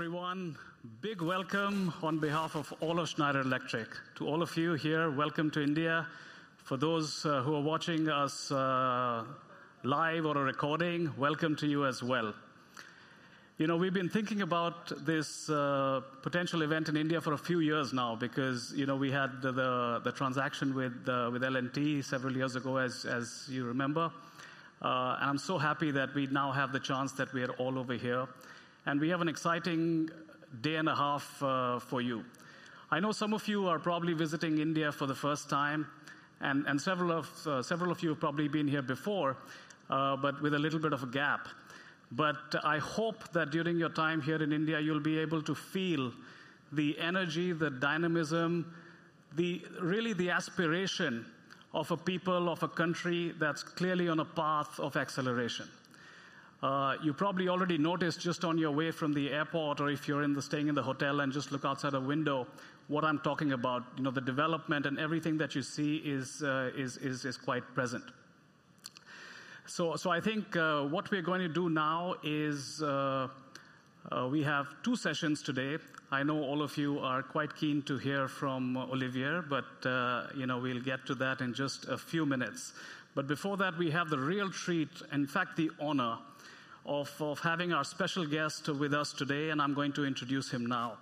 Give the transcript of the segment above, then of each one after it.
Hello, everyone. Big welcome on behalf of all of Schneider Electric to all of you here. Welcome to India. For those who are watching us live or recording, welcome to you as well. We've been thinking about this potential event in India for a few years now because we had the transaction with L&T several years ago, as you remember. And I'm so happy that we now have the chance that we are all over here. And we have an exciting day and a half for you. I know some of you are probably visiting India for the first time, and several of you have probably been here before, but with a little bit of a gap. But I hope that during your time here in India, you'll be able to feel the energy, the dynamism, really the aspiration of a people, of a country that's clearly on a path of acceleration. You probably already noticed just on your way from the airport, or if you're staying in the hotel and just look outside a window, what I'm talking about. The development and everything that you see is quite present. So I think what we're going to do now is we have two sessions today. I know all of you are quite keen to hear from Olivier, but we'll get to that in just a few minutes. But before that, we have the real treat, in fact, the honor of having our special guest with us today, and I'm going to introduce him now.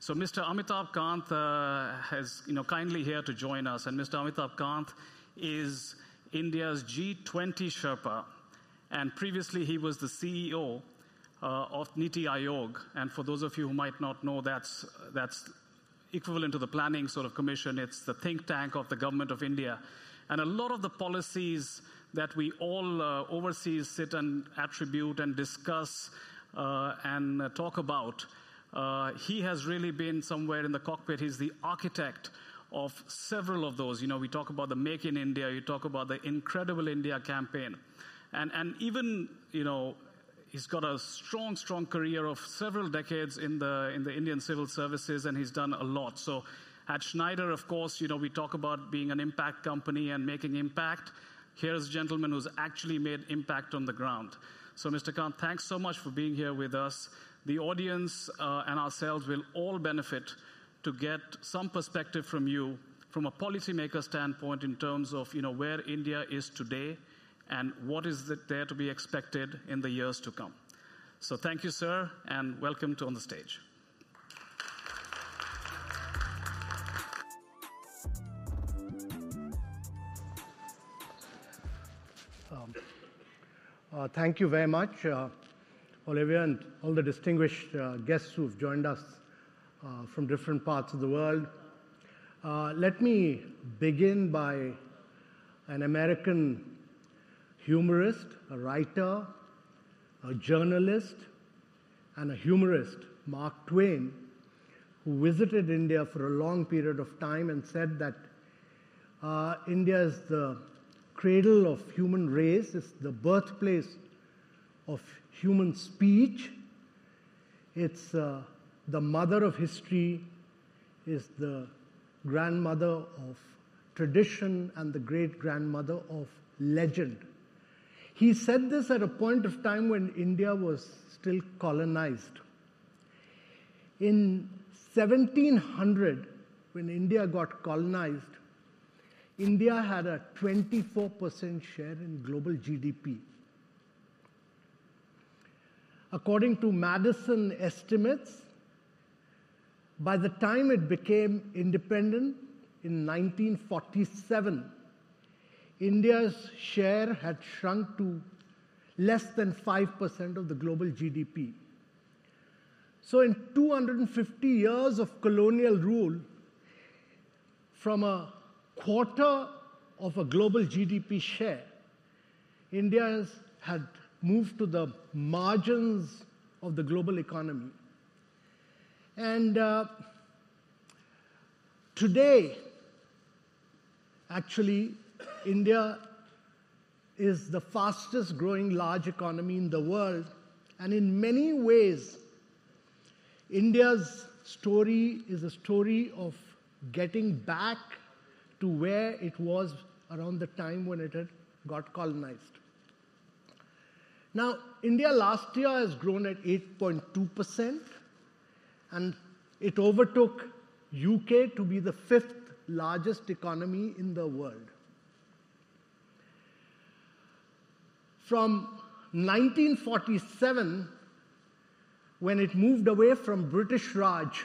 So Mr. Amitabh Kant is kindly here to join us. And Mr. Amitabh Kant is India's G20 Sherpa. And previously, he was the CEO of NITI Aayog. And for those of you who might not know, that's equivalent to the planning sort of commission. It's the think tank of the government of India. And a lot of the policies that we all oversee, sit, and attribute, and discuss, and talk about, he has really been somewhere in the cockpit. He's the architect of several of those. We talk about the Make in India. You talk about the Incredible India campaign. And even he's got a strong, strong career of several decades in the Indian civil services, and he's done a lot. So at Schneider, of course, we talk about being an impact company and making impact. Here is a gentleman who's actually made impact on the ground. So Mr. Kant, thanks so much for being here with us. The audience and ourselves will all benefit to get some perspective from you from a policymaker standpoint in terms of where India is today and what is there to be expected in the years to come. So thank you, sir, and welcome to the stage. Thank you very much, Olivier, and all the distinguished guests who've joined us from different parts of the world. Let me begin by an American humorist, a writer, a journalist, and a humorist, Mark Twain, who visited India for a long period of time and said that India is the cradle of human race, is the birthplace of human speech. It's the mother of history, is the grandmother of tradition, and the great grandmother of legend. He said this at a point of time when India was still colonized. In 1700, when India got colonized, India had a 24% share in global GDP. According to Maddison estimates, by the time it became independent in 1947, India's share had shrunk to less than 5% of the global GDP. In 250 years of colonial rule, from a quarter of a global GDP share, India had moved to the margins of the global economy. Today, actually, India is the fastest growing large economy in the world. In many ways, India's story is a story of getting back to where it was around the time when it had got colonized. Now, India last year has grown at 8.2%, and it overtook the U.K. to be the fifth largest economy in the world. From 1947, when it moved away from British Raj,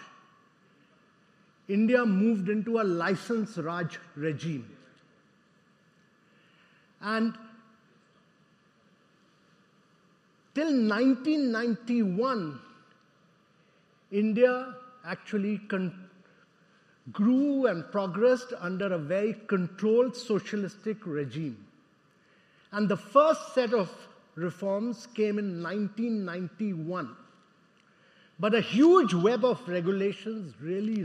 India moved into a License Raj regime. Till 1991, India actually grew and progressed under a very controlled socialistic regime. The first set of reforms came in 1991. A huge web of regulations really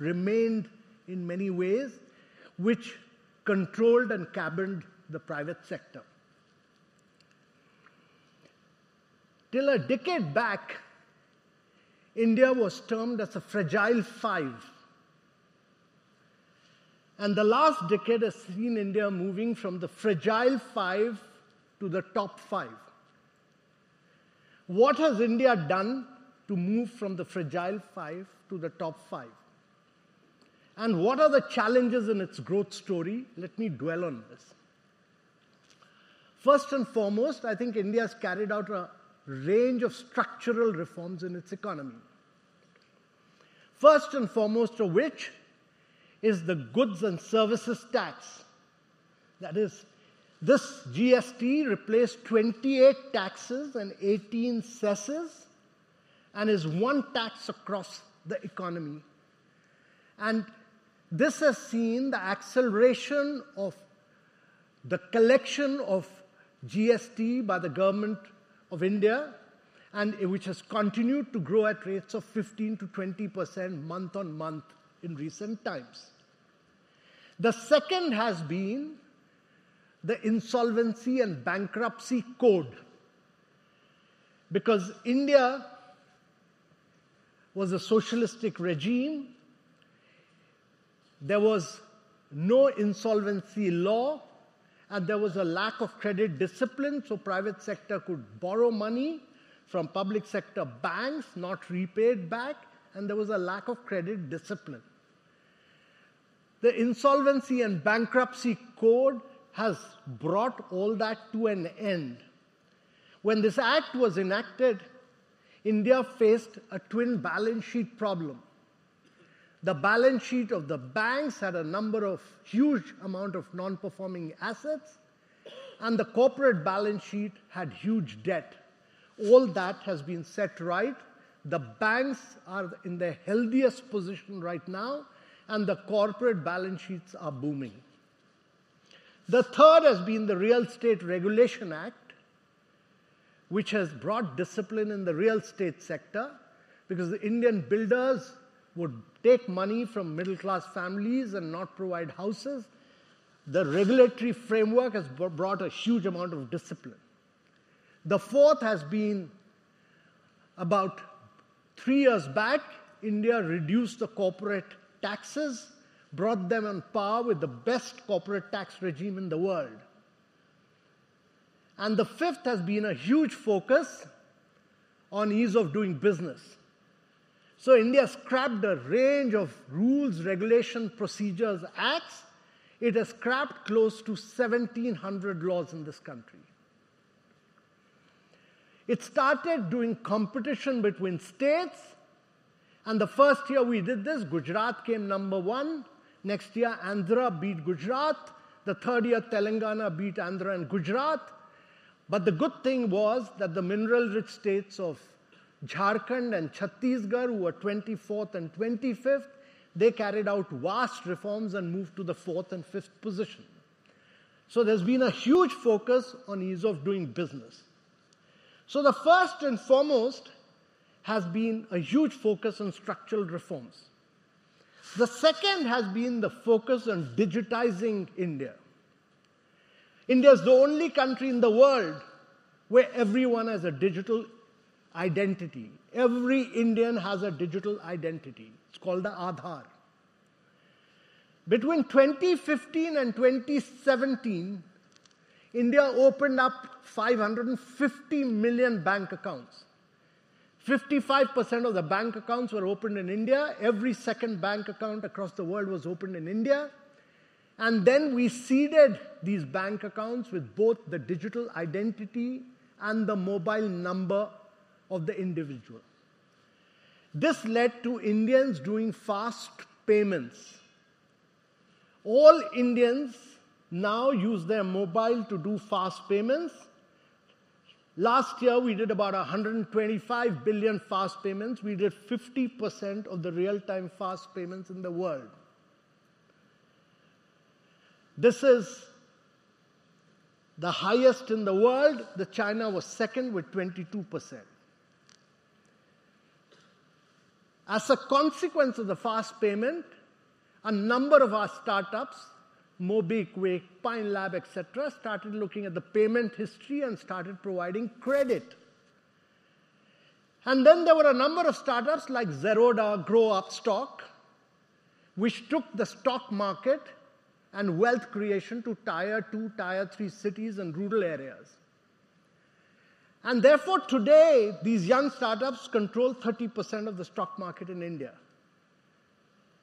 remained in many ways, which controlled and cabined the private sector. Until a decade back, India was termed as a "Fragile Five." And the last decade has seen India moving from the Fragile Five to the top five. What has India done to move from the Fragile Five to the top five? And what are the challenges in its growth story? Let me dwell on this. First and foremost, I think India has carried out a range of structural reforms in its economy. First and foremost of which is the Goods and Services Tax. That is, this GST replaced 28 taxes and 18 cesses and is one tax across the economy. And this has seen the acceleration of the collection of GST by the government of India, which has continued to grow at rates of 15%-20% month-on-month in recent times. The second has been the Insolvency and Bankruptcy Code. Because India was a socialistic regime, there was no insolvency law, and there was a lack of credit discipline so private sector could borrow money from public sector banks, not repaid back, and there was a lack of credit discipline. The Insolvency and Bankruptcy Code has brought all that to an end. When this act was enacted, India faced a twin balance sheet problem. The balance sheet of the banks had a number of huge amounts of non-performing assets, and the corporate balance sheet had huge debt. All that has been set right. The banks are in their healthiest position right now, and the corporate balance sheets are booming. The third has been the Real Estate Regulation Act, which has brought discipline in the real estate sector because the Indian builders would take money from middle-class families and not provide houses. The regulatory framework has brought a huge amount of discipline. The fourth has been about three years back. India reduced the corporate taxes, brought them on par with the best corporate tax regime in the world, and the fifth has been a huge focus on ease of doing business, so India has scrapped a range of rules, regulations, procedures, acts. It has scrapped close to 1,700 laws in this country. It started doing competition between states, and the first year we did this, Gujarat came number one. Next year, Andhra beat Gujarat. The third year, Telangana beat Andhra and Gujarat, but the good thing was that the mineral-rich states of Jharkhand and Chhattisgarh, who were 24th and 25th, they carried out vast reforms and moved to the fourth and fifth position, so there's been a huge focus on ease of doing business. The first and foremost has been a huge focus on structural reforms. The second has been the focus on digitizing India. India is the only country in the world where everyone has a digital identity. Every Indian has a digital identity. It's called the Aadhaar. Between 2015 and 2017, India opened up 550 million bank accounts, 55% of the bank accounts were opened in India. Every second bank account across the world was opened in India. And then we seeded these bank accounts with both the digital identity and the mobile number of the individual. This led to Indians doing fast payments. All Indians now use their mobile to do fast payments. Last year, we did about 125 billion fast payments. We did 50% of the real-time fast payments in the world. This is the highest in the world. China was second with 22%. As a consequence of the fast payment, a number of our startups, MobiKwik, Pine Labs, etc., started looking at the payment history and started providing credit, and then there were a number of startups like Zerodha, Groww, Upstox, which took the stock market and wealth creation to Tier 2, Tier 3 cities and rural areas, and therefore, today, these young startups control 30% of the stock market in India,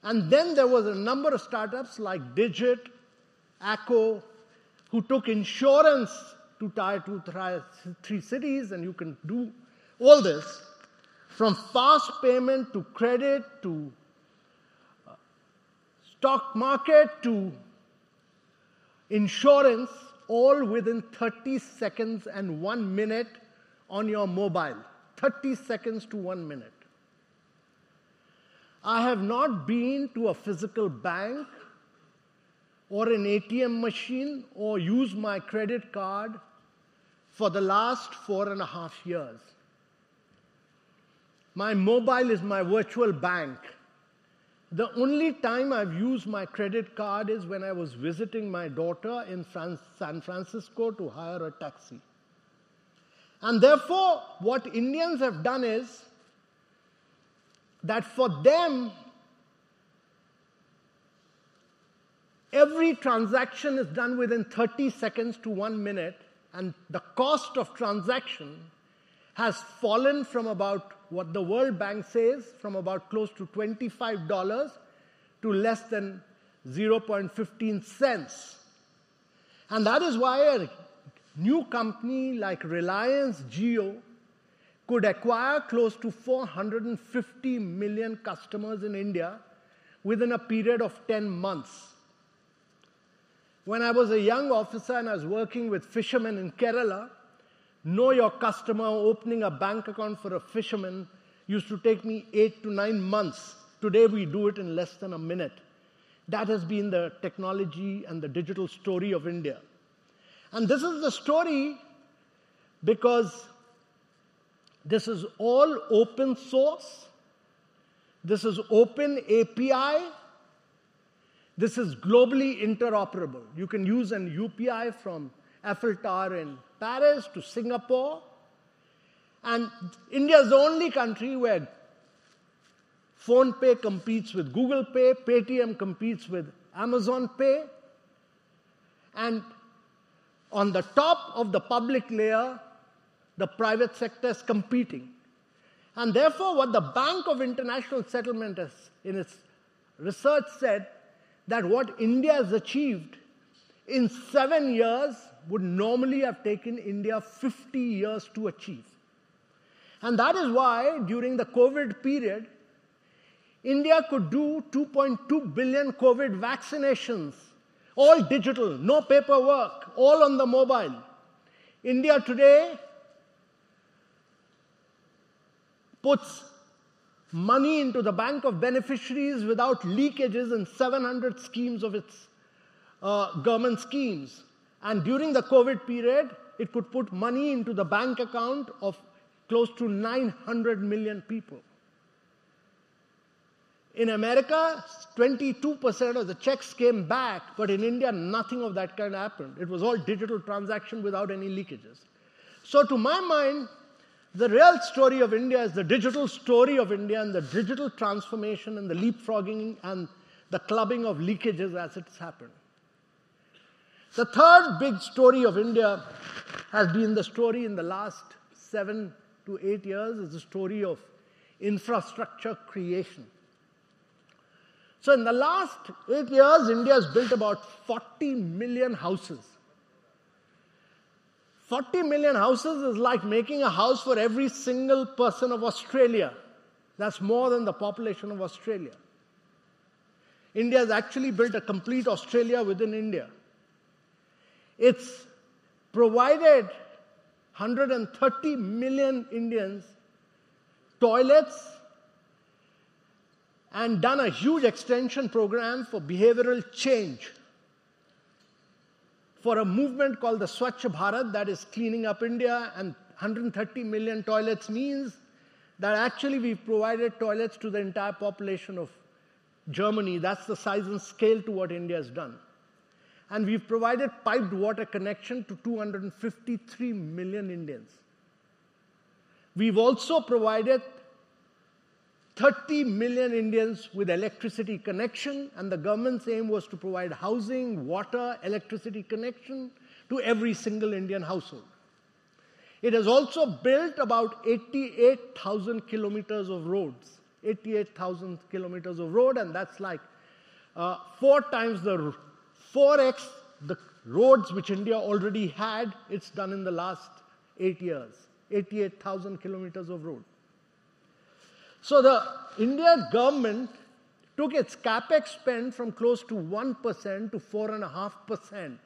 and then there were a number of startups like Digit, Acko, who took insurance to Tier 2, Tier 3 cities, and you can do all this from fast payment to credit to stock market to insurance, all within 30 seconds and one minute on your mobile. 30 seconds to one minute. I have not been to a physical bank or an ATM machine or used my credit card for the last four and a half years. My mobile is my virtual bank. The only time I've used my credit card is when I was visiting my daughter in San Francisco to hire a taxi. And therefore, what Indians have done is that for them, every transaction is done within 30 seconds to one minute. And the cost of transaction has fallen from about what the World Bank says, from about close to $25 to less than $0.0015. And that is why a new company like Reliance Jio could acquire close to 450 million customers in India within a period of 10 months. When I was a young officer and I was working with fishermen in Kerala, know your customer, opening a bank account for a fisherman used to take me eight to nine months. Today, we do it in less than a minute. That has been the technology and the digital story of India. This is the story because this is all open source. This is open API. This is globally interoperable. You can use an UPI from Eiffel Tower in Paris to Singapore. India is the only country where PhonePe competes with Google Pay, Paytm competes with Amazon Pay. On the top of the public layer, the private sector is competing. Therefore, what the Bank for International Settlements has in its research said, that what India has achieved in seven years would normally have taken India 50 years to achieve. That is why during the COVID period, India could do 2.2 billion COVID vaccinations, all digital, no paperwork, all on the mobile. India today puts money into the bank of beneficiaries without leakages and 700 schemes of its government schemes. During the COVID period, it could put money into the bank account of close to 900 million people. In America, 22% of the checks came back, but in India, nothing of that kind happened. It was all digital transaction without any leakages. To my mind, the real story of India is the digital story of India and the digital transformation and the leapfrogging and the clubbing of leakages as it's happened. The third big story of India has been the story in the last seven to eight years is the story of infrastructure creation. In the last eight years, India has built about 40 million houses. 40 million houses is like making a house for every single person of Australia. That's more than the population of Australia. India has actually built a complete Australia within India. It's provided 130 million Indians with toilets and done a huge extension program for behavioral change for a movement called the Swachh Bharat that is cleaning up India, and 130 million toilets means that actually we've provided toilets to the entire population of Germany. That's the size and scale to what India has done, and we've provided piped water connection to 253 million Indians. We've also provided 30 million Indians with electricity connection, and the government's aim was to provide housing, water, electricity connection to every single Indian household. It has also built about 88,000 km of roads, 88,000 km of road, and that's like four times the—4x the roads which India already had. It's done in the last eight years, 88,000 km of road, so the Indian government took its CapEx spend from close to 1% to 4.5%,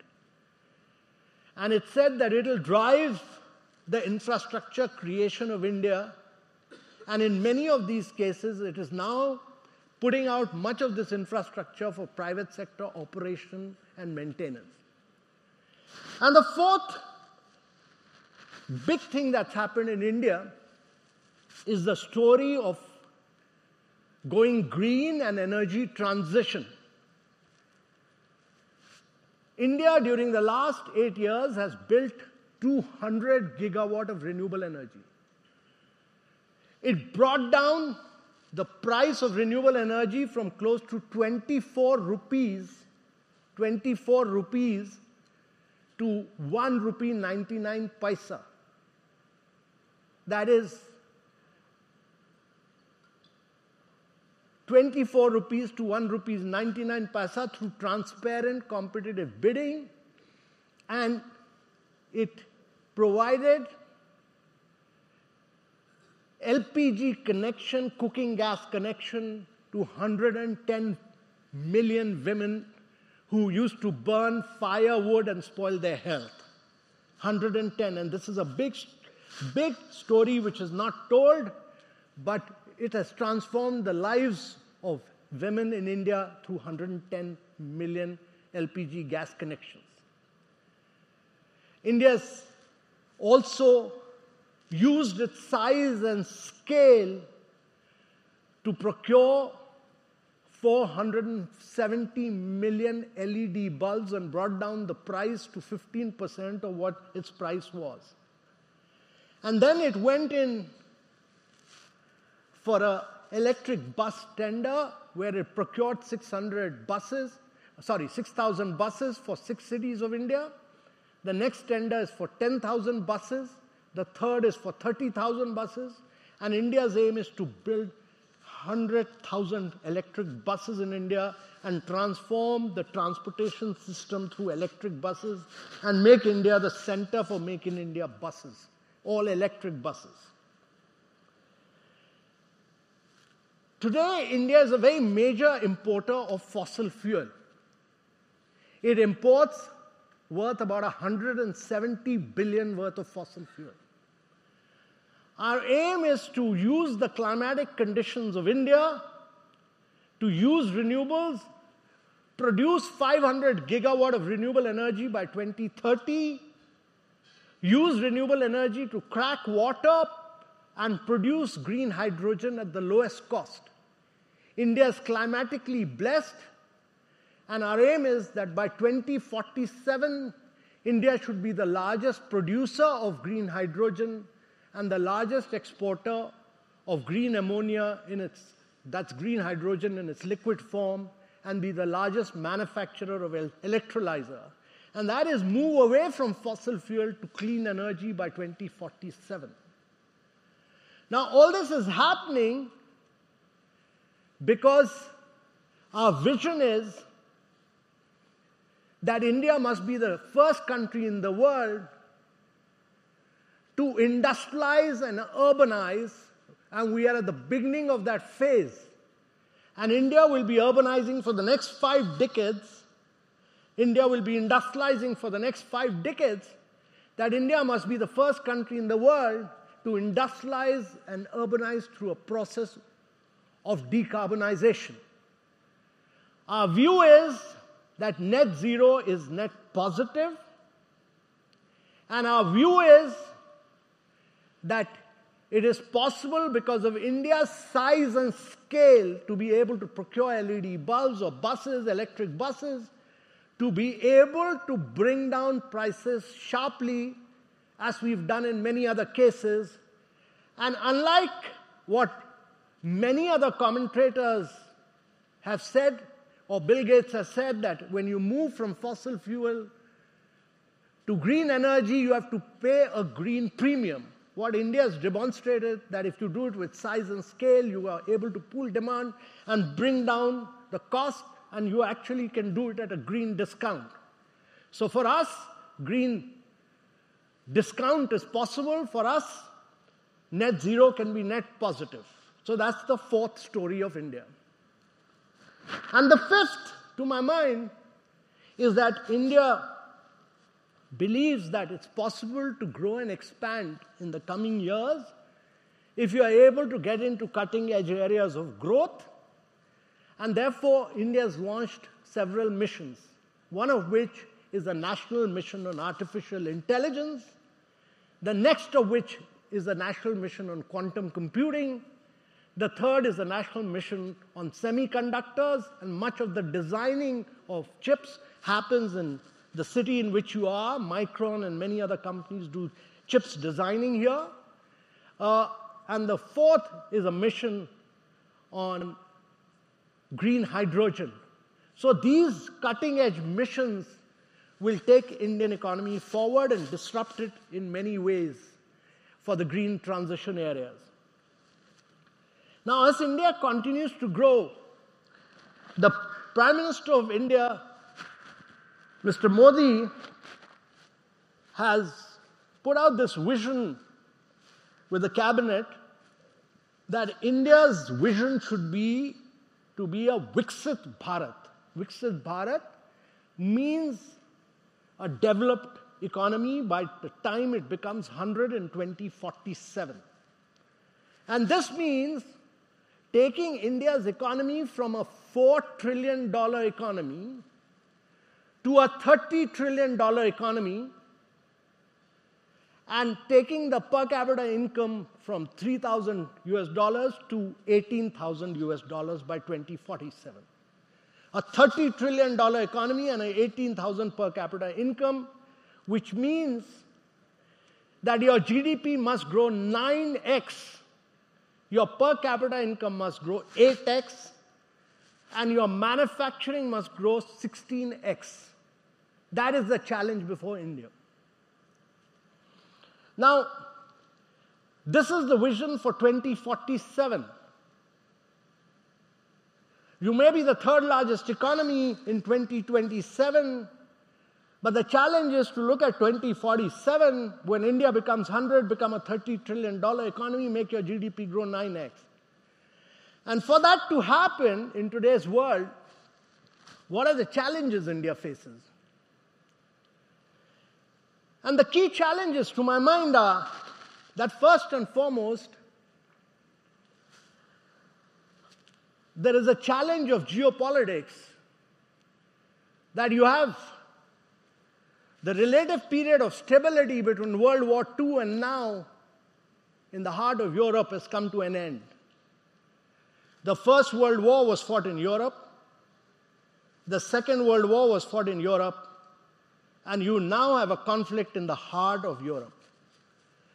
and it said that it'll drive the infrastructure creation of India. In many of these cases, it is now putting out much of this infrastructure for private sector operation and maintenance. The fourth big thing that's happened in India is the story of going green and energy transition. India, during the last eight years, has built 200 GW of renewable energy. It brought down the price of renewable energy from close to 24 rupees, 24 rupees to 1.99 rupee. That is 24 rupees to 1.99 rupees through transparent competitive bidding. It provided LPG connection, cooking gas connection to 110 million women who used to burn firewood and spoil their health, 110 million. This is a big story which is not told, but it has transformed the lives of women in India through 110 million LPG gas connections. India has also used its size and scale to procure 470 million LED bulbs and brought down the price to 15% of what its price was. And then it went in for an electric bus tender where it procured 600 buses, sorry, 6,000 buses for six cities of India. The next tender is for 10,000 buses. The third is for 30,000 buses. And India's aim is to build 100,000 electric buses in India and transform the transportation system through electric buses and make India the center for making India buses, all electric buses. Today, India is a very major importer of fossil fuel. It imports worth about $170 billion worth of fossil fuel. Our aim is to use the climatic conditions of India to use renewables, produce 500 GW of renewable energy by 2030, use renewable energy to crack water and produce green hydrogen at the lowest cost. India is climatically blessed. Our aim is that by 2047, India should be the largest producer of green hydrogen and the largest exporter of green ammonia. In its, that's green hydrogen in its liquid form, and be the largest manufacturer of electrolyzer. That is to move away from fossil fuel to clean energy by 2047. Now, all this is happening because our vision is that India must be the first country in the world to industrialize and urbanize. We are at the beginning of that phase. India will be urbanizing for the next five decades. India will be industrializing for the next five decades. India must be the first country in the world to industrialize and urbanize through a process of decarbonization. Our view is that net-zero is net positive. And our view is that it is possible because of India's size and scale to be able to procure LED bulbs or buses, electric buses, to be able to bring down prices sharply as we've done in many other cases. And unlike what many other commentators have said, or Bill Gates has said, that when you move from fossil fuel to green energy, you have to pay a green premium. What India has demonstrated is that if you do it with size and scale, you are able to pull demand and bring down the cost, and you actually can do it at a green discount. So for us, green discount is possible. For us, net-zero can be net positive. So that's the fourth story of India. And the fifth to my mind is that India believes that it's possible to grow and expand in the coming years if you are able to get into cutting-edge areas of growth. And therefore, India has launched several missions, one of which is a national mission on artificial intelligence, the next of which is a national mission on quantum computing. The third is a national mission on semiconductors. And much of the designing of chips happens in the city in which you are. Micron and many other companies do chips designing here. And the fourth is a mission on green hydrogen. So these cutting-edge missions will take Indian economy forward and disrupt it in many ways for the green transition areas. Now, as India continues to grow, the Prime Minister of India, Mr. Modi has put out this vision with the cabinet that India's vision should be to be a Viksit Bharat. Viksit Bharat means a developed economy by the time it becomes 100 in 2047, and this means taking India's economy from a $4 trillion economy to a $30 trillion economy and taking the per capita income from $3,000 to $18,000 by 2047. A $30 trillion economy and an $18,000 per capita income, which means that your GDP must grow 9x, your per capita income must grow 8x, and your manufacturing must grow 16x. That is the challenge before India. Now, this is the vision for 2047. You may be the third largest economy in 2027, but the challenge is to look at 2047 when India becomes 100, become a $30 trillion economy, make your GDP grow 9x, and for that to happen in today's world, what are the challenges India faces? The key challenges to my mind are that first and foremost, there is a challenge of geopolitics. That you have the relative period of stability between World War II and now in the heart of Europe has come to an end. The First World War was fought in Europe. The Second World War was fought in Europe. And you now have a conflict in the heart of Europe,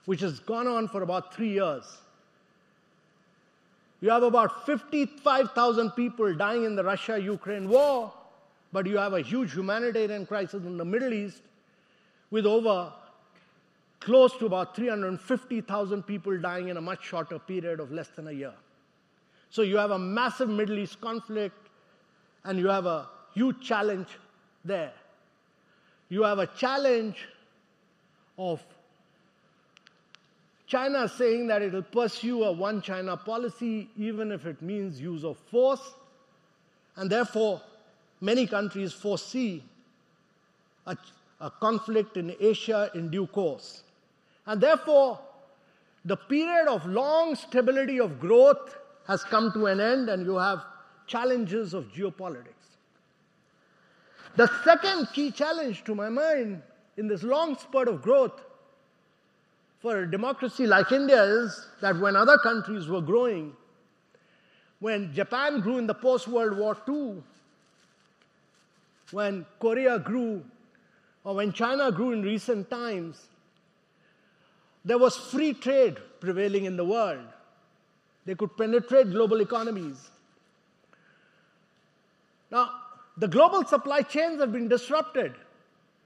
which has gone on for about three years. You have about 55,000 people dying in the Russia-Ukraine war, but you have a huge humanitarian crisis in the Middle East with over close to about 350,000 people dying in a much shorter period of less than a year. So you have a massive Middle East conflict, and you have a huge challenge there. You have a challenge of China saying that it will pursue a One China policy, even if it means use of force. And therefore, many countries foresee a conflict in Asia in due course. And therefore, the period of long stability of growth has come to an end, and you have challenges of geopolitics. The second key challenge to my mind in this long spurt of growth for a democracy like India is that when other countries were growing, when Japan grew in the post-World War II, when Korea grew, or when China grew in recent times, there was free trade prevailing in the world. They could penetrate global economies. Now, the global supply chains have been disrupted,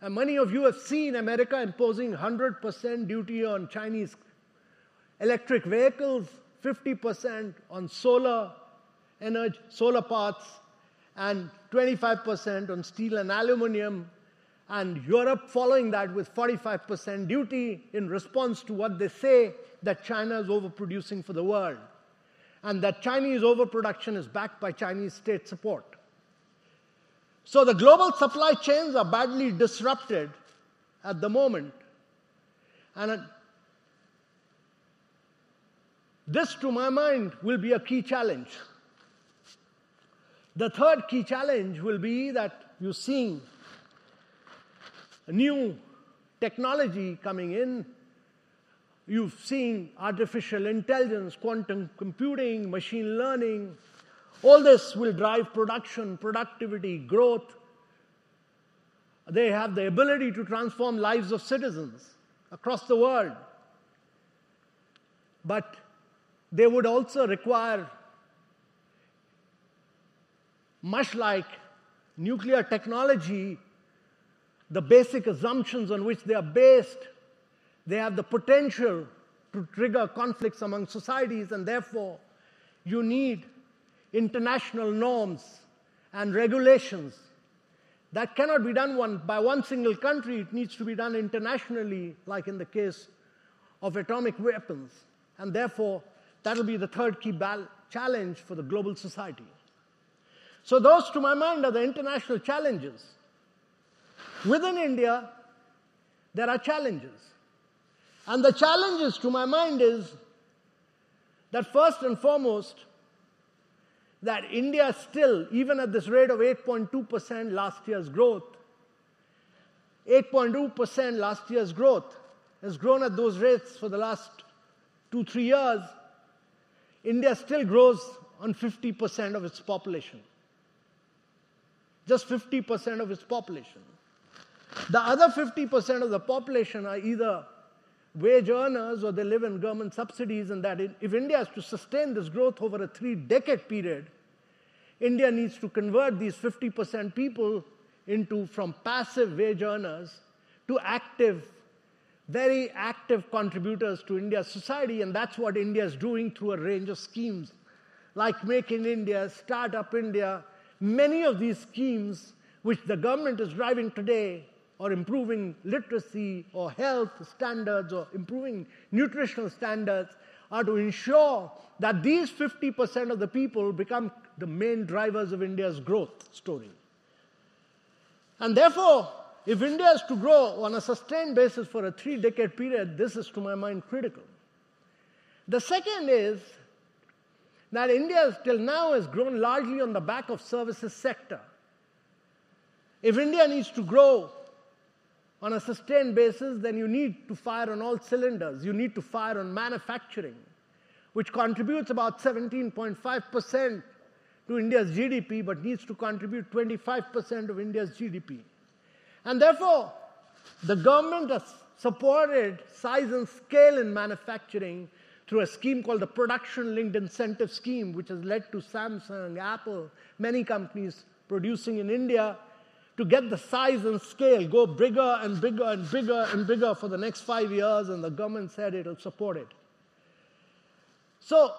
and many of you have seen America imposing 100% duty on Chinese electric vehicles, 50% on solar energy, solar parts, and 25% on steel and aluminum. And Europe following that with 45% duty in response to what they say that China is overproducing for the world and that Chinese overproduction is backed by Chinese state support. So the global supply chains are badly disrupted at the moment. And this, to my mind, will be a key challenge. The third key challenge will be that you're seeing new technology coming in. You've seen artificial intelligence, quantum computing, machine learning. All this will drive production, productivity, growth. They have the ability to transform lives of citizens across the world. But they would also require, much like nuclear technology, the basic assumptions on which they are based. They have the potential to trigger conflicts among societies. And therefore, you need international norms and regulations that cannot be done by one single country. It needs to be done internationally, like in the case of atomic weapons. Therefore, that will be the third key challenge for the global society. Those, to my mind, are the international challenges. Within India, there are challenges. The challenges, to my mind, is that first and foremost, that India still, even at this rate of 8.2% last year's growth, 8.2% last year's growth has grown at those rates for the last two, three years. India still grows on 50% of its population, just 50% of its population. The other 50% of the population are either wage earners or they live on government subsidies. That if India is to sustain this growth over a three-decade period, India needs to convert these 50% people from passive wage earners to active, very active contributors to India's society. That's what India is doing through a range of schemes, like Make in India, Startup India. Many of these schemes, which the government is driving today, or improving literacy or health standards or improving nutritional standards, are to ensure that these 50% of the people become the main drivers of India's growth story, and therefore, if India is to grow on a sustained basis for a three-decade period, this is, to my mind, critical. The second is that India still now has grown largely on the back of the services sector. If India needs to grow on a sustained basis, then you need to fire on all cylinders. You need to fire on manufacturing, which contributes about 17.5% to India's GDP but needs to contribute 25% of India's GDP. And therefore, the government has supported size and scale in manufacturing through a scheme called the Production-Linked Incentive Scheme, which has led to Samsung, Apple, many companies producing in India to get the size and scale, go bigger and bigger and bigger and bigger for the next five years. And the government said it will support it. So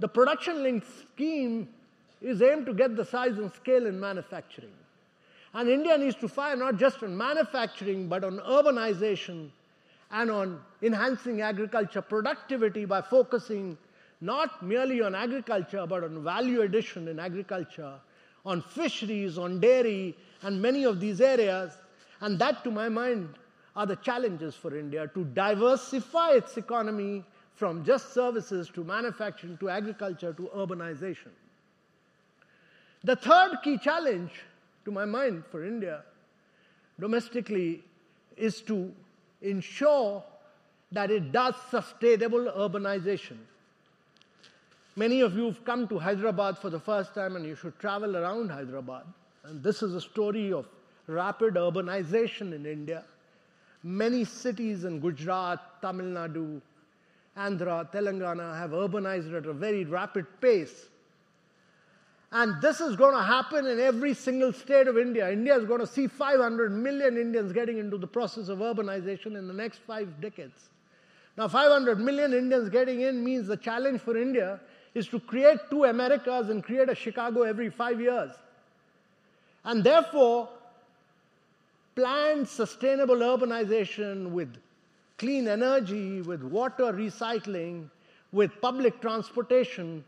the Production-Linked Scheme is aimed to get the size and scale in manufacturing. And India needs to fire not just on manufacturing, but on urbanization and on enhancing agriculture productivity by focusing not merely on agriculture, but on value addition in agriculture, on fisheries, on dairy, and many of these areas. And that, to my mind, are the challenges for India to diversify its economy from just services to manufacturing to agriculture to urbanization. The third key challenge, to my mind, for India domestically is to ensure that it does sustainable urbanization. Many of you have come to Hyderabad for the first time, and you should travel around Hyderabad. This is a story of rapid urbanization in India. Many cities in Gujarat, Tamil Nadu, Andhra, Telangana have urbanized at a very rapid pace. This is going to happen in every single state of India. India is going to see 500 million Indians getting into the process of urbanization in the next five decades. Now, 500 million Indians getting in means the challenge for India is to create two Americas and create a Chicago every five years. Therefore, planned sustainable urbanization with clean energy, with water recycling, with public transportation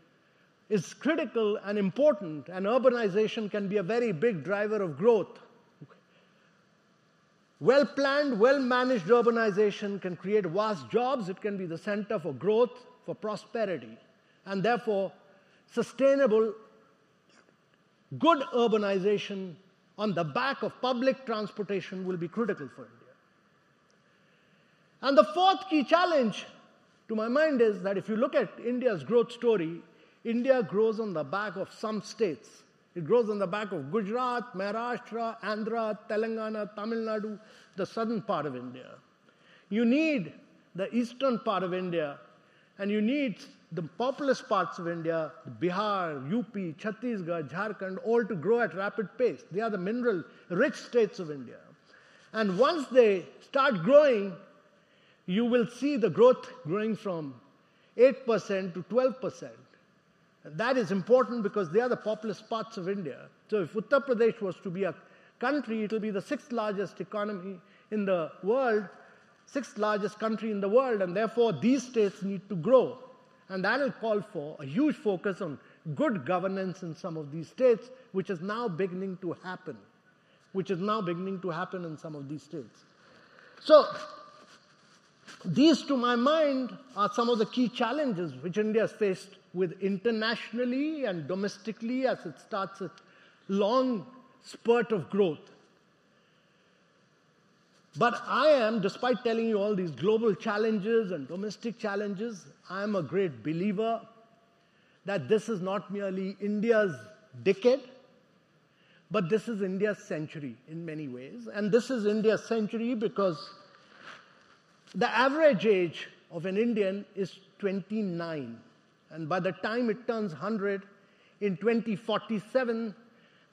is critical and important. Urbanization can be a very big driver of growth. Well-planned, well-managed urbanization can create vast jobs. It can be the center for growth, for prosperity. Therefore, sustainable, good urbanization on the back of public transportation will be critical for India. The fourth key challenge, to my mind, is that if you look at India's growth story, India grows on the back of some states. It grows on the back of Gujarat, Maharashtra, Andhra, Telangana, Tamil Nadu, the southern part of India. You need the eastern part of India, and you need the populous parts of India: Bihar, UP, Chhattisgarh, Jharkhand, all to grow at rapid pace. They are the mineral-rich states of India. Once they start growing, you will see the growth growing from 8%-12%. That is important because they are the populous parts of India. If Uttar Pradesh was to be a country, it will be the sixth largest economy in the world, sixth largest country in the world. Therefore, these states need to grow. And that will call for a huge focus on good governance in some of these states, which is now beginning to happen in some of these states. So these, to my mind, are some of the key challenges which India has faced internationally and domestically as it starts a long spurt of growth. But I am, despite telling you all these global challenges and domestic challenges, I am a great believer that this is not merely India's decade, but this is India's century in many ways. And this is India's century because the average age of an Indian is 29. And by the time it turns 100 in 2047,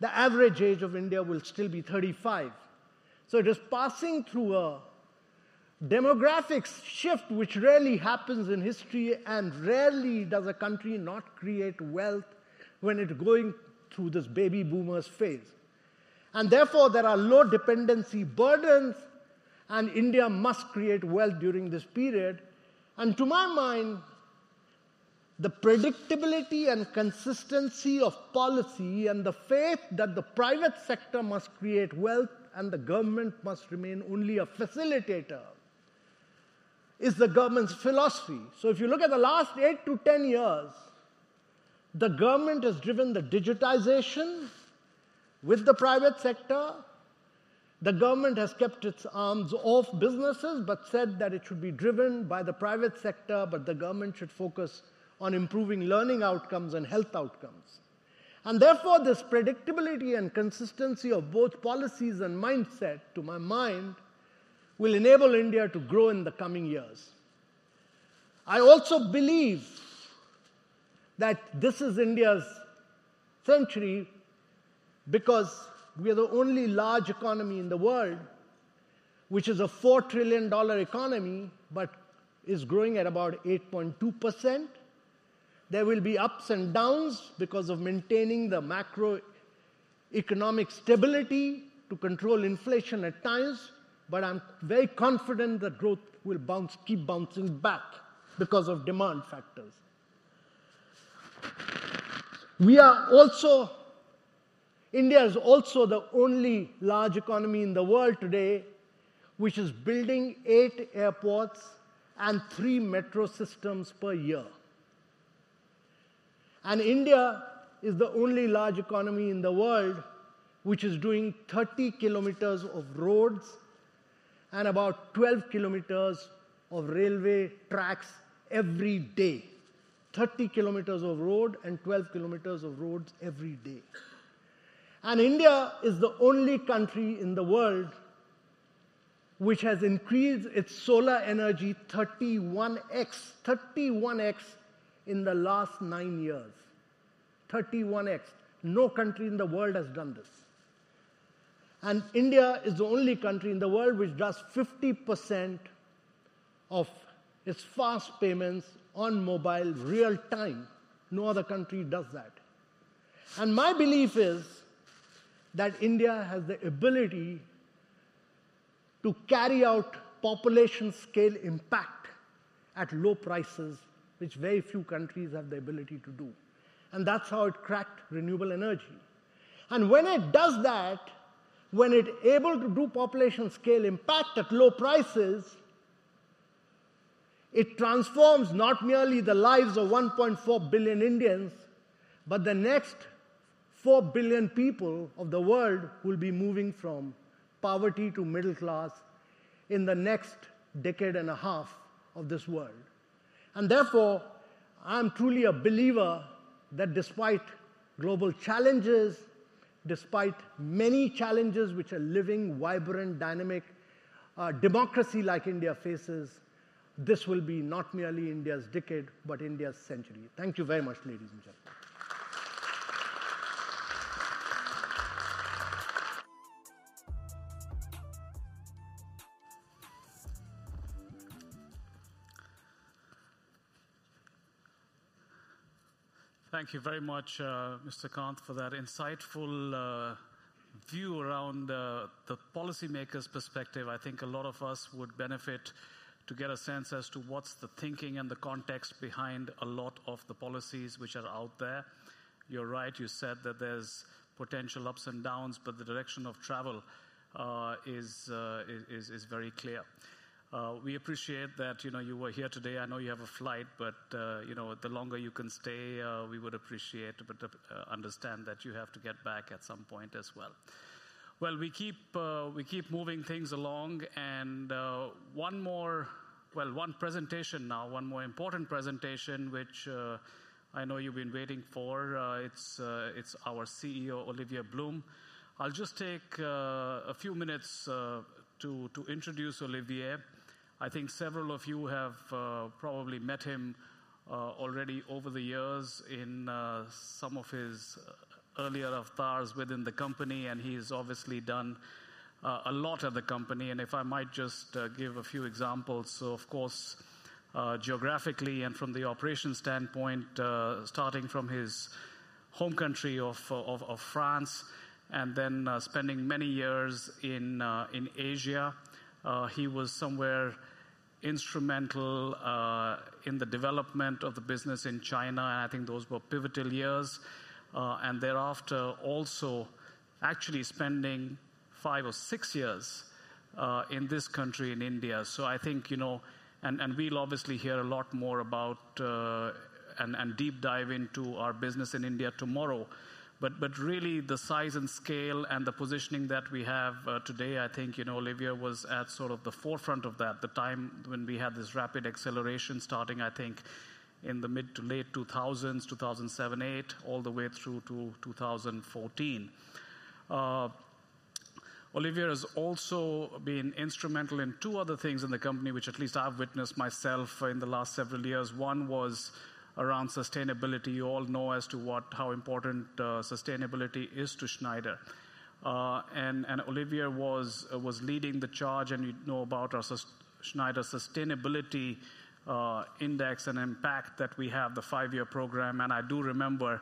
the average age of India will still be 35. It is passing through a demographic shift which rarely happens in history, and rarely does a country not create wealth when it's going through this baby boomers phase. Therefore, there are low dependency burdens, and India must create wealth during this period. To my mind, the predictability and consistency of policy and the faith that the private sector must create wealth and the government must remain only a facilitator is the government's philosophy. If you look at the last eight to 10 years, the government has driven the digitization with the private sector. The government has kept its hands off businesses but said that it should be driven by the private sector, but the government should focus on improving learning outcomes and health outcomes. Therefore, this predictability and consistency of both policies and mindset, to my mind, will enable India to grow in the coming years. I also believe that this is India's century because we are the only large economy in the world, which is a $4 trillion economy but is growing at about 8.2%. There will be ups and downs because of maintaining the macroeconomic stability to control inflation at times. But I'm very confident that growth will keep bouncing back because of demand factors. India is also the only large economy in the world today which is building eight airports and three metro systems per year. India is the only large economy in the world which is doing 30 km of roads and about 12 km of railway tracks every day. India is the only country in the world which has increased its solar energy 31x, 31x in the last nine years, 31x. No country in the world has done this. India is the only country in the world which does 50% of its fast payments on mobile real time. No other country does that. My belief is that India has the ability to carry out population scale impact at low prices, which very few countries have the ability to do. That's how it cracked renewable energy. When it does that, when it's able to do population scale impact at low prices, it transforms not merely the lives of 1.4 billion Indians, but the next 4 billion people of the world will be moving from poverty to middle class in the next decade and a half of this world. And therefore, I'm truly a believer that despite global challenges, despite many challenges which a living, vibrant, dynamic democracy like India faces, this will be not merely India's decade, but India's century. Thank you very much, ladies and gentlemen. Thank you very much, Mr. Kant, for that insightful view around the policymaker's perspective. I think a lot of us would benefit to get a sense as to what's the thinking and the context behind a lot of the policies which are out there. You're right. You said that there's potential ups and downs, but the direction of travel is very clear. We appreciate that you were here today. I know you have a flight, but the longer you can stay, we would appreciate it, but understand that you have to get back at some point as well. Well, we keep moving things along. One more, well, one presentation now, one more important presentation, which I know you've been waiting for. It's our CEO, Olivier Blum. I'll just take a few minutes to introduce Olivier. I think several of you have probably met him already over the years in some of his earlier affairs within the company. He's obviously done a lot at the company. If I might just give a few examples. Of course, geographically and from the operations standpoint, starting from his home country of France, and then spending many years in Asia, he was somewhat instrumental in the development of the business in China. I think those were pivotal years. Thereafter, also actually spending five or six years in this country in India. We'll obviously hear a lot more about and deep dive into our business in India tomorrow. Really, the size and scale and the positioning that we have today, I think Olivier was at sort of the forefront of that, the time when we had this rapid acceleration starting, I think, in the mid to late 2000s, 2007, 2008, all the way through to 2014. Olivier has also been instrumental in two other things in the company, which at least I've witnessed myself in the last several years. One was around sustainability. You all know as to how important sustainability is to Schneider. And Olivier was leading the charge. And you know about our Schneider Sustainability Index and impact that we have, the five-year program. And I do remember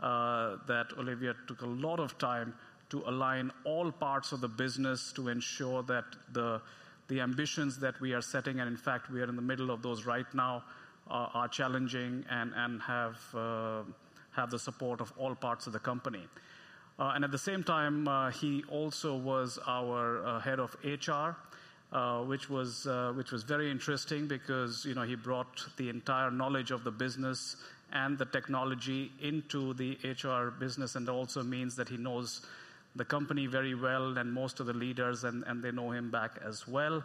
that Olivier took a lot of time to align all parts of the business to ensure that the ambitions that we are setting, and in fact, we are in the middle of those right now, are challenging and have the support of all parts of the company. And at the same time, he also was our head of HR, which was very interesting because he brought the entire knowledge of the business and the technology into the HR business. And it also means that he knows the company very well and most of the leaders, and they know him back as well.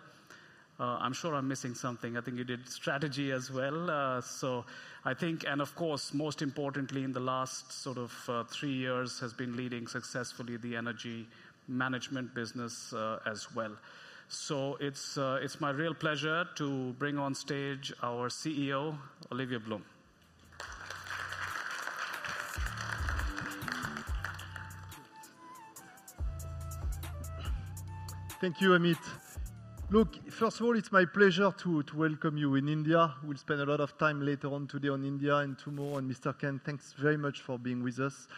I'm sure I'm missing something. I think you did strategy as well. So I think, and of course, most importantly, in the last sort of three years, has been leading successfully the Energy Management business as well. It's my real pleasure to bring on stage our CEO, Olivier Blum. Thank you, Amit. Look, first of all, it's my pleasure to welcome you in India. We'll spend a lot of time later on today on India and tomorrow, and Mr. Kant, thanks very much for being with us.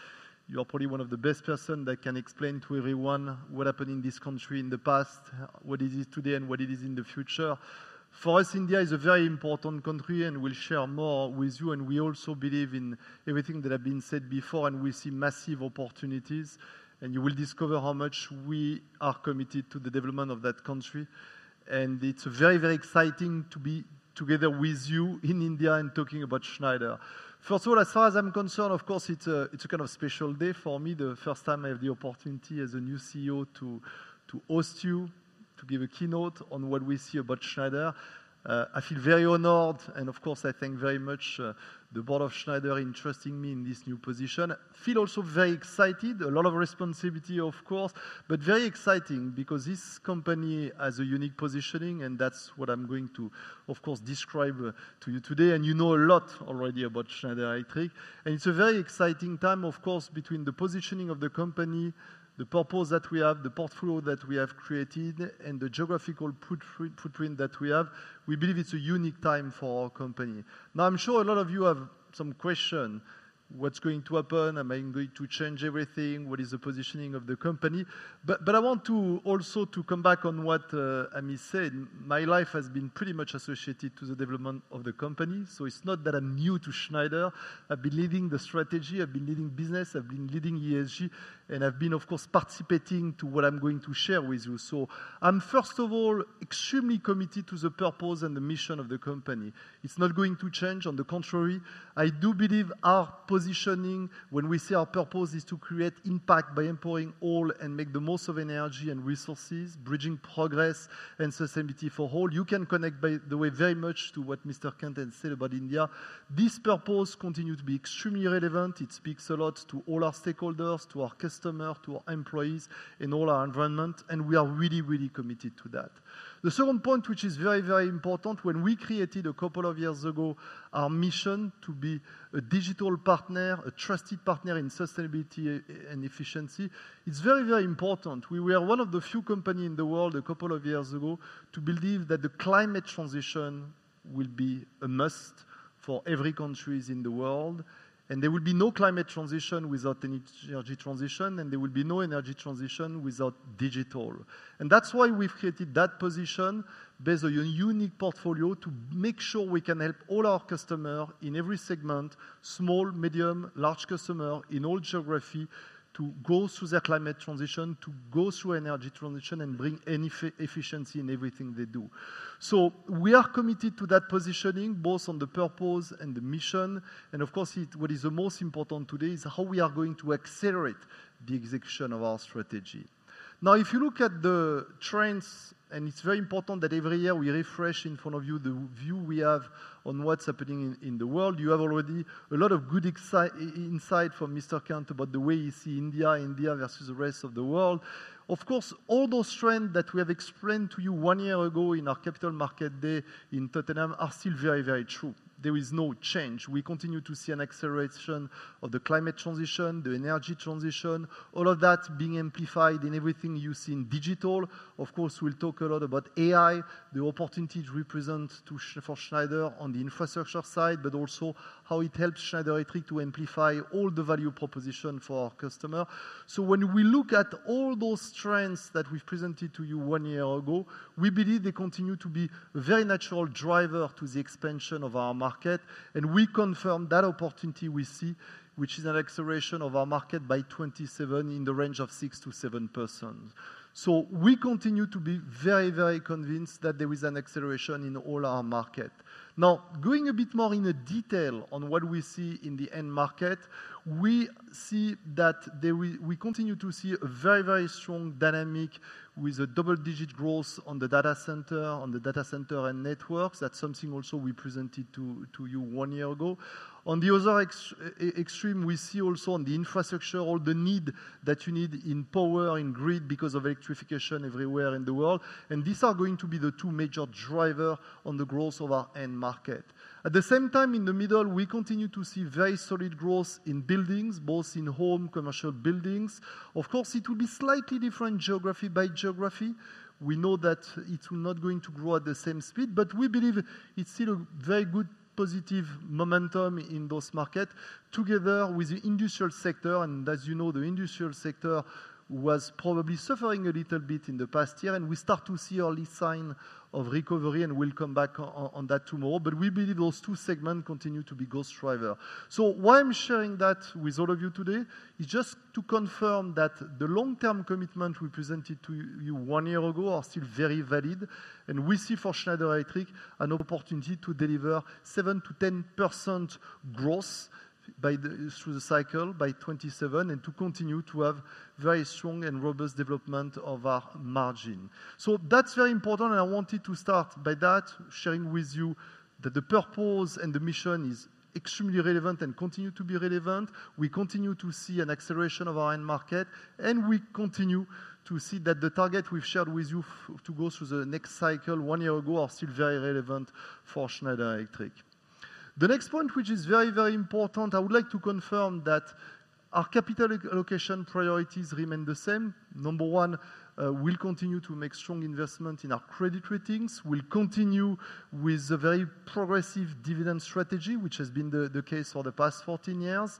You are probably one of the best persons that can explain to everyone what happened in this country in the past, what it is today, and what it is in the future. For us, India is a very important country, and we'll share more with you, and we also believe in everything that has been said before, and we see massive opportunities, and you will discover how much we are committed to the development of that country, and it's very, very exciting to be together with you in India and talking about Schneider. First of all, as far as I'm concerned, of course, it's a kind of special day for me, the first time I have the opportunity as a new CEO to host you, to give a keynote on what we see about Schneider. I feel very honored, and of course, I thank very much the board of Schneider entrusting me in this new position. I feel also very excited, a lot of responsibility, of course, but very exciting because this company has a unique positioning, and that's what I'm going to, of course, describe to you today, and you know a lot already about Schneider Electric, and it's a very exciting time, of course, between the positioning of the company, the purpose that we have, the portfolio that we have created, and the geographical footprint that we have. We believe it's a unique time for our company. Now, I'm sure a lot of you have some questions. What's going to happen? Am I going to change everything? What is the positioning of the company? But I want to also come back on what Amit said. My life has been pretty much associated to the development of the company. So it's not that I'm new to Schneider. I've been leading the strategy. I've been leading business. I've been leading ESG. And I've been, of course, participating to what I'm going to share with you. So I'm, first of all, extremely committed to the purpose and the mission of the company. It's not going to change. On the contrary, I do believe our positioning, when we say our purpose, is to create impact by empowering all and make the most of energy and resources, bridging progress and sustainability for all. You can connect, by the way, very much to what Mr. Kant has said about India. This purpose continues to be extremely relevant. It speaks a lot to all our stakeholders, to our customers, to our employees, and all our environment. And we are really, really committed to that. The second point, which is very, very important, when we created a couple of years ago our mission to be a digital partner, a trusted partner in sustainability and efficiency, it's very, very important. We were one of the few companies in the world a couple of years ago to believe that the climate transition will be a must for every country in the world. And there will be no climate transition without energy transition, and there will be no energy transition without digital. And that's why we've created that position, based on a unique portfolio, to make sure we can help all our customers in every segment, small, medium, large customers in all geographies, to go through their climate transition, to go through energy transition, and bring efficiency in everything they do. So we are committed to that positioning, both on the purpose and the mission. And of course, what is the most important today is how we are going to accelerate the execution of our strategy. Now, if you look at the trends, and it's very important that every year we refresh in front of you the view we have on what's happening in the world, you have already a lot of good insight from Mr. Kant about the way he sees India, India versus the rest of the world. Of course, all those trends that we have explained to you one year ago in our capital market day in Tottenham are still very, very true. There is no change. We continue to see an acceleration of the climate transition, the energy transition, all of that being amplified in everything you see in digital. Of course, we'll talk a lot about AI, the opportunities we present for Schneider on the infrastructure side, but also how it helps Schneider Electric to amplify all the value proposition for our customers. So when we look at all those trends that we've presented to you one year ago, we believe they continue to be a very natural driver to the expansion of our market. And we confirm that opportunity we see, which is an acceleration of our market by 2027 in the range of 6%-7%. So we continue to be very, very convinced that there is an acceleration in all our market. Now, going a bit more in detail on what we see in the end market, we see that we continue to see a very, very strong dynamic with a double-digit growth on the data center, on the data center and networks. That's something also we presented to you one year ago. On the other extreme, we see also on the infrastructure, all the need that you need in power, in grid, because of electrification everywhere in the world. And these are going to be the two major drivers on the growth of our end market. At the same time, in the middle, we continue to see very solid growth in buildings, both in home commercial buildings. Of course, it will be slightly different geography by geography. We know that it's not going to grow at the same speed, but we believe it's still a very good positive momentum in those markets together with the industrial sector, and as you know, the industrial sector was probably suffering a little bit in the past year, and we start to see early signs of recovery, and we'll come back on that tomorrow, but we believe those two segments continue to be growth drivers, so why I'm sharing that with all of you today is just to confirm that the long-term commitment we presented to you one year ago are still very valid, and we see for Schneider Electric an opportunity to deliver 7%-10% growth through the cycle by 2027 and to continue to have very strong and robust development of our margin, so that's very important. I wanted to start by that, sharing with you that the purpose and the mission is extremely relevant and continues to be relevant. We continue to see an acceleration of our end market. We continue to see that the targets we've shared with you to go through the next cycle one year ago are still very relevant for Schneider Electric. The next point, which is very, very important, I would like to confirm that our capital allocation priorities remain the same. Number one, we'll continue to make strong investments in our credit ratings. We'll continue with a very progressive dividend strategy, which has been the case for the past 14 years.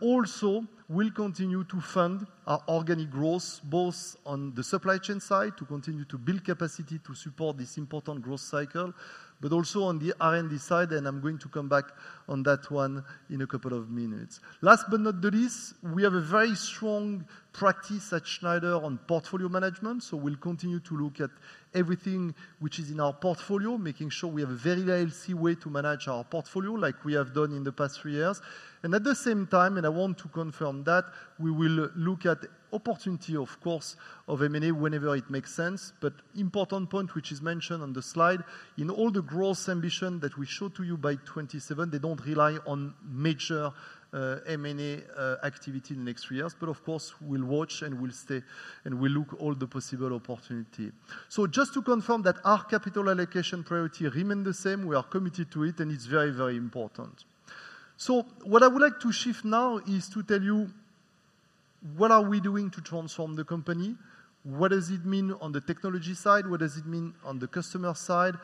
Also, we'll continue to fund our organic growth, both on the supply chain side to continue to build capacity to support this important growth cycle, but also on the R&D side. And I'm going to come back on that one in a couple of minutes. Last but not least, we have a very strong practice at Schneider on portfolio management. So we'll continue to look at everything which is in our portfolio, making sure we have a very lazy way to manage our portfolio like we have done in the past three years. And at the same time, and I want to confirm that, we will look at opportunity, of course, of M&A whenever it makes sense. But important point, which is mentioned on the slide, in all the growth ambitions that we showed to you by 2027, they don't rely on major M&A activity in the next three years. But of course, we'll watch and we'll stay and we'll look at all the possible opportunities. So just to confirm that our capital allocation priority remains the same, we are committed to it, and it's very, very important. So what I would like to shift now is to tell you what are we doing to transform the company? What does it mean on the technology side? What does it mean on the customer side?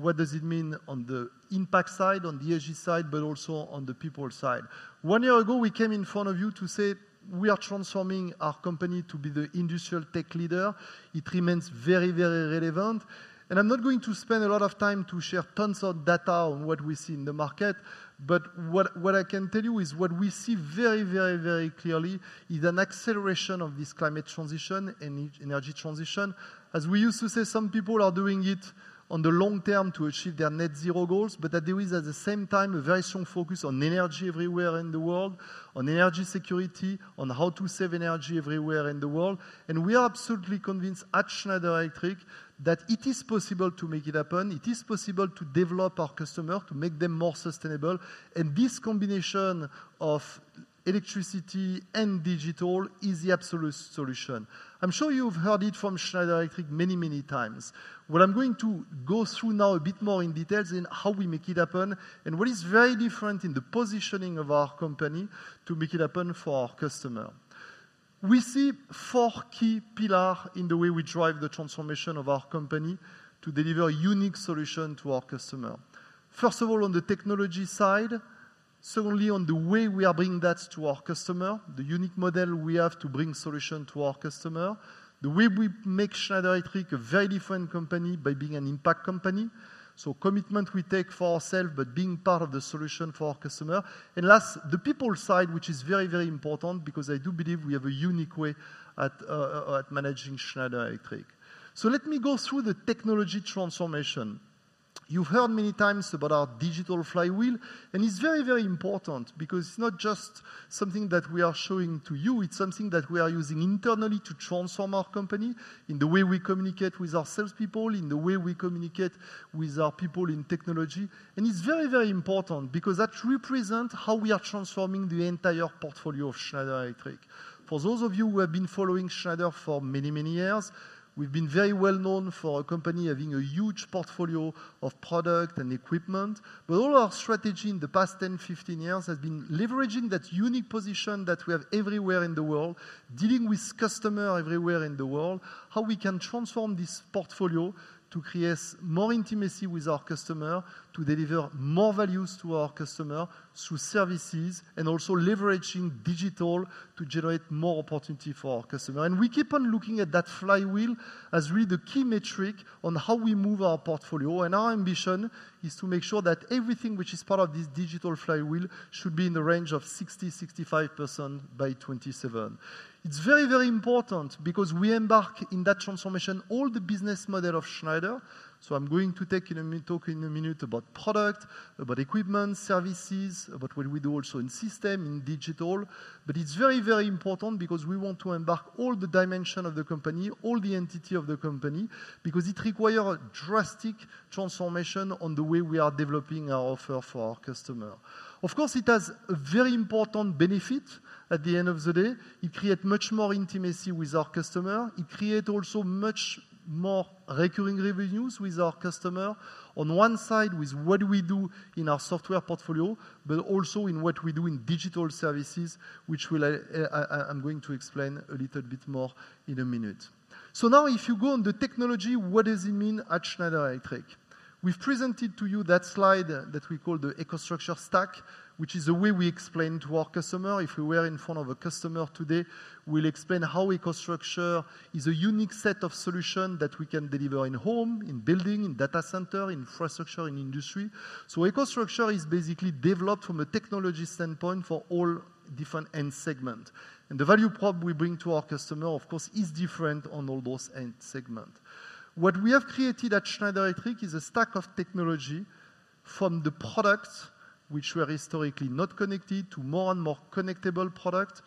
What does it mean on the impact side, on the energy side, but also on the people side? One year ago, we came in front of you to say we are transforming our company to be the industrial tech leader. It remains very, very relevant. And I'm not going to spend a lot of time to share tons of data on what we see in the market. But what I can tell you is what we see very, very, very clearly is an acceleration of this climate transition and energy transition. As we used to say, some people are doing it on the long term to achieve their net-zero goals, but there is, at the same time, a very strong focus on energy everywhere in the world, on energy security, on how to save energy everywhere in the world. And we are absolutely convinced at Schneider Electric that it is possible to make it happen. It is possible to develop our customers, to make them more sustainable. And this combination of electricity and digital is the absolute solution. I'm sure you've heard it from Schneider Electric many, many times. What I'm going to go through now a bit more in detail is how we make it happen and what is very different in the positioning of our company to make it happen for our customers. We see four key pillars in the way we drive the transformation of our company to deliver a unique solution to our customers. First of all, on the technology side, certainly on the way we are bringing that to our customers, the unique model we have to bring solutions to our customers, the way we make Schneider Electric a very different company by being an impact company, so commitment we take for ourselves, but being part of the solution for our customers, and last, the people side, which is very, very important because I do believe we have a unique way at managing Schneider Electric, so let me go through the technology transformation. You've heard many times about our Digital Flywheel, and it's very, very important because it's not just something that we are showing to you. It's something that we are using internally to transform our company in the way we communicate with our salespeople, in the way we communicate with our people in technology. And it's very, very important because that represents how we are transforming the entire portfolio of Schneider Electric. For those of you who have been following Schneider for many, many years, we've been very well known for a company having a huge portfolio of product and equipment. But all our strategy in the past 10, 15 years has been leveraging that unique position that we have everywhere in the world, dealing with customers everywhere in the world, how we can transform this portfolio to create more intimacy with our customers, to deliver more value to our customers through services, and also leveraging digital to generate more opportunity for our customers. We keep on looking at that flywheel as really the key metric on how we move our portfolio. Our ambition is to make sure that everything which is part of this Digital Flywheel should be in the range of 60%-65% by 2027. It's very, very important because we embark in that transformation all the business model of Schneider. I'm going to talk in a minute about product, about equipment, services, about what we do also in system, in digital. It's very, very important because we want to embark all the dimensions of the company, all the entity of the company, because it requires a drastic transformation on the way we are developing our offer for our customers. Of course, it has a very important benefit at the end of the day. It creates much more intimacy with our customers. It creates also much more recurring revenues with our customers on one side with what we do in our software portfolio, but also in what we do in digital services, which I'm going to explain a little bit more in a minute. So now, if you go on the technology, what does it mean at Schneider Electric? We've presented to you that slide that we call the EcoStruxure stack, which is the way we explain to our customers. If we were in front of a customer today, we'll explain how EcoStruxure is a unique set of solutions that we can deliver in home, in building, in data center, infrastructure, in industry. So EcoStruxure is basically developed from a technology standpoint for all different end segments. And the value prop we bring to our customers, of course, is different on all those end segments. What we have created at Schneider Electric is a stack of technology from the products, which were historically not connected, to more and more connectable products,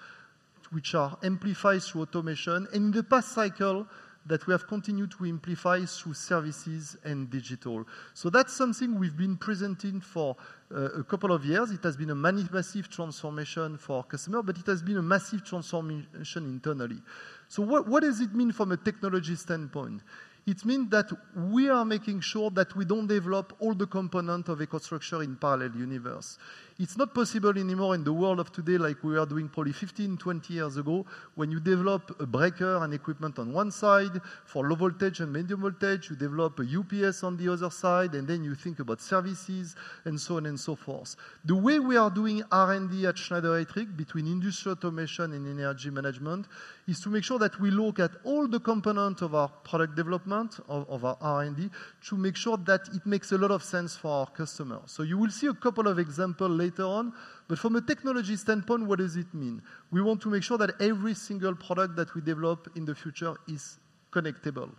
which are amplified through automation. And in the past cycle, that we have continued to amplify through services and digital. So that's something we've been presenting for a couple of years. It has been a massive transformation for our customers, but it has been a massive transformation internally. So what does it mean from a technology standpoint? It means that we are making sure that we don't develop all the components of EcoStruxure in a parallel universe. It's not possible anymore in the world of today like we were doing probably 15-20 years ago when you develop a breaker and equipment on one side for low voltage and medium voltage, you develop a UPS on the other side, and then you think about services and so on and so forth. The way we are doing R&D at Schneider Electric between Industrial Automation and Energy Management is to make sure that we look at all the components of our product development, of our R&D, to make sure that it makes a lot of sense for our customers. So you will see a couple of examples later on. But from a technology standpoint, what does it mean? We want to make sure that every single product that we develop in the future is connectable,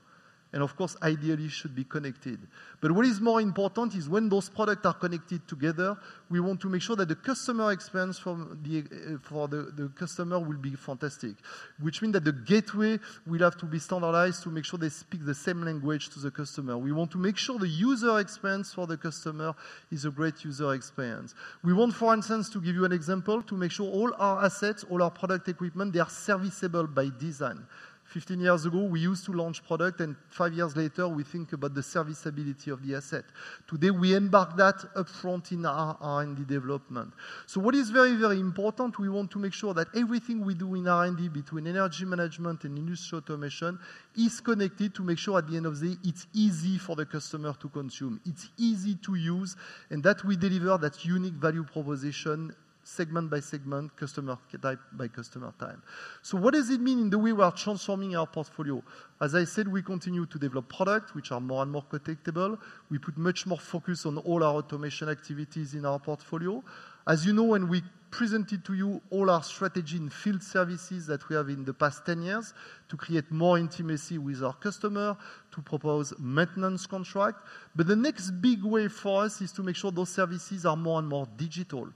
and of course, ideally, it should be connected. But what is more important is when those products are connected together, we want to make sure that the customer experience for the customer will be fantastic, which means that the gateway will have to be standardized to make sure they speak the same language to the customer. We want to make sure the user experience for the customer is a great user experience. We want, for instance, to give you an example to make sure all our assets, all our product equipment, they are serviceable by design. 15 years ago, we used to launch products, and five years later, we think about the serviceability of the asset. Today, we embed that upfront in our R&D development. So what is very, very important? We want to make sure that everything we do in R&D between Energy Management and Industrial Automation is connected to make sure at the end of the day, it's easy for the customer to consume. It's easy to use, and that we deliver that unique value proposition segment by segment, customer type by customer type. So what does it mean in the way we are transforming our portfolio? As I said, we continue to develop products which are more and more connectable. We put much more focus on all our automation activities in our portfolio. As you know, when we presented to you all our strategy and field services that we have in the past 10 years to create more intimacy with our customers, to propose maintenance contracts. But the next big wave for us is to make sure those services are more and more digital.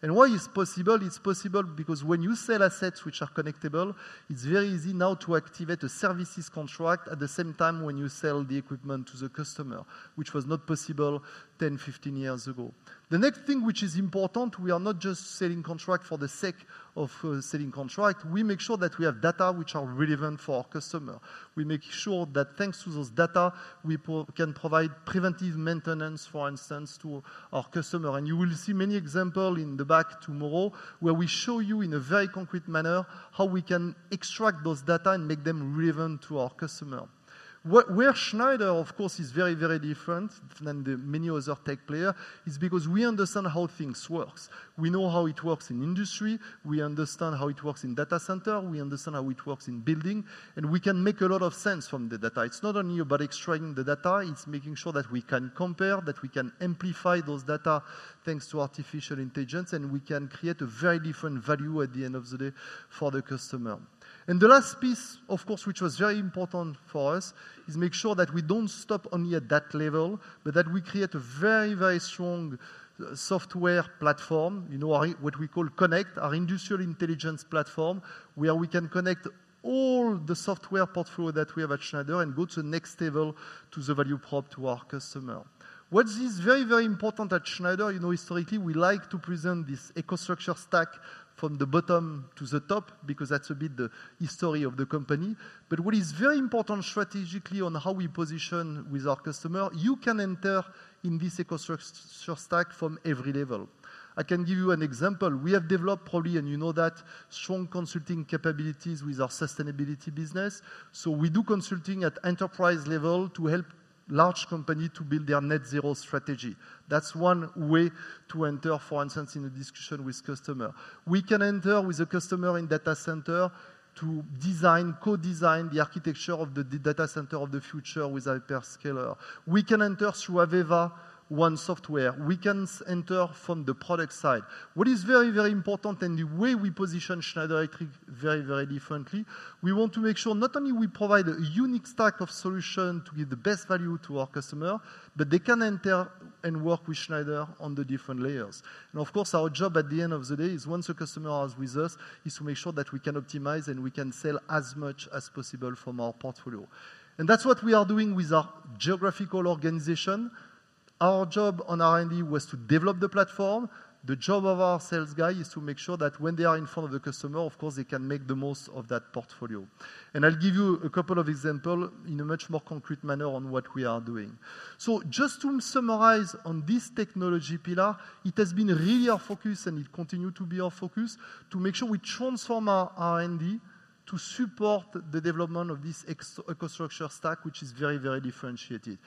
Why is it possible? It's possible because when you sell assets which are connectable, it's very easy now to activate a services contract at the same time when you sell the equipment to the customer, which was not possible 10, 15 years ago. The next thing which is important, we are not just selling contracts for the sake of selling contracts. We make sure that we have data which are relevant for our customers. We make sure that thanks to those data, we can provide preventive maintenance, for instance, to our customers. You will see many examples in the back tomorrow where we show you in a very concrete manner how we can extract those data and make them relevant to our customers. Where Schneider, of course, is very, very different than many other tech players is because we understand how things work. We know how it works in industry. We understand how it works in data centers. We understand how it works in buildings. And we can make a lot of sense from the data. It's not only about extracting the data. It's making sure that we can compare, that we can amplify those data thanks to artificial intelligence, and we can create a very different value at the end of the day for the customer. And the last piece, of course, which was very important for us, is to make sure that we don't stop only at that level, but that we create a very, very strong software platform, what we call CONNECT, our industrial intelligence platform, where we can connect all the software portfolio that we have at Schneider and go to the next level to the value prop to our customers. What is very, very important at Schneider, historically, we like to present this EcoStruxure stack from the bottom to the top because that's a bit the history of the company. But what is very important strategically on how we position with our customers, you can enter in this EcoStruxure stack from every level. I can give you an example. We have developed probably, and you know that, strong consulting capabilities with our sustainability business. So we do consulting at enterprise level to help large companies to build their net-zero strategy. That's one way to enter, for instance, in a discussion with customers. We can enter with a customer in data center to design, co-design the architecture of the data center of the future with a hyperscaler. We can enter through AVEVA One Software. We can enter from the product side. What is very, very important and the way we position Schneider Electric very, very differently, we want to make sure not only we provide a unique stack of solutions to give the best value to our customers, but they can enter and work with Schneider on the different layers. And of course, our job at the end of the day is once a customer is with us, is to make sure that we can optimize and we can sell as much as possible from our portfolio. And that's what we are doing with our geographical organization. Our job on R&D was to develop the platform. The job of our sales guy is to make sure that when they are in front of the customer, of course, they can make the most of that portfolio. And I'll give you a couple of examples in a much more concrete manner on what we are doing. So just to summarize on this technology pillar, it has been really our focus, and it continues to be our focus, to make sure we transform our R&D to support the development of this EcoStruxure stack, which is very, very differentiated.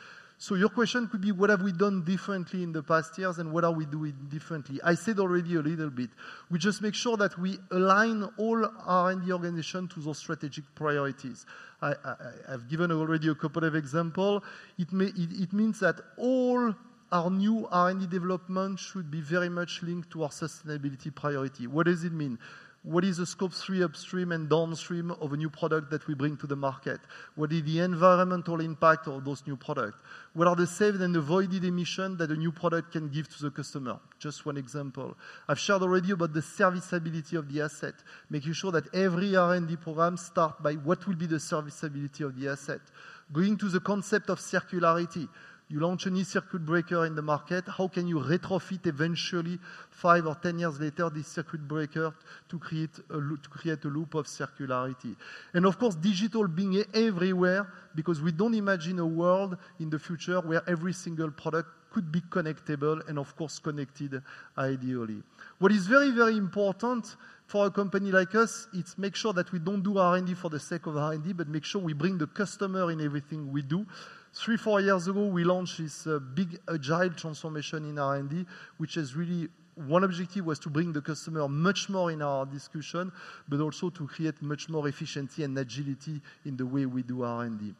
So your question could be, what have we done differently in the past years, and what are we doing differently? I said already a little bit. We just make sure that we align all R&D organizations to those strategic priorities. I've given already a couple of examples. It means that all our new R&D developments should be very much linked to our sustainability priority. What does it mean? What is the Scope 3 upstream and downstream of a new product that we bring to the market? What is the environmental impact of those new products? What are the saved and avoided emissions that a new product can give to the customer? Just one example. I've shared already about the serviceability of the asset, making sure that every R&D program starts by what will be the serviceability of the asset. Going to the concept of circularity. You launch a new circuit breaker in the market. How can you retrofit eventually, five or ten years later, this circuit breaker to create a loop of circularity? And of course, digital being everywhere because we don't imagine a world in the future where every single product could be connectable and, of course, connected ideally. What is very, very important for a company like us is to make sure that we don't do R&D for the sake of R&D, but make sure we bring the customer in everything we do. Three, four years ago, we launched this big agile transformation in R&D, which is really one objective was to bring the customer much more in our discussion, but also to create much more efficiency and agility in the way we do R&D.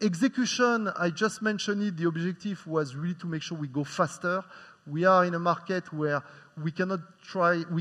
Execution, I just mentioned it. The objective was really to make sure we go faster. We are in a market where we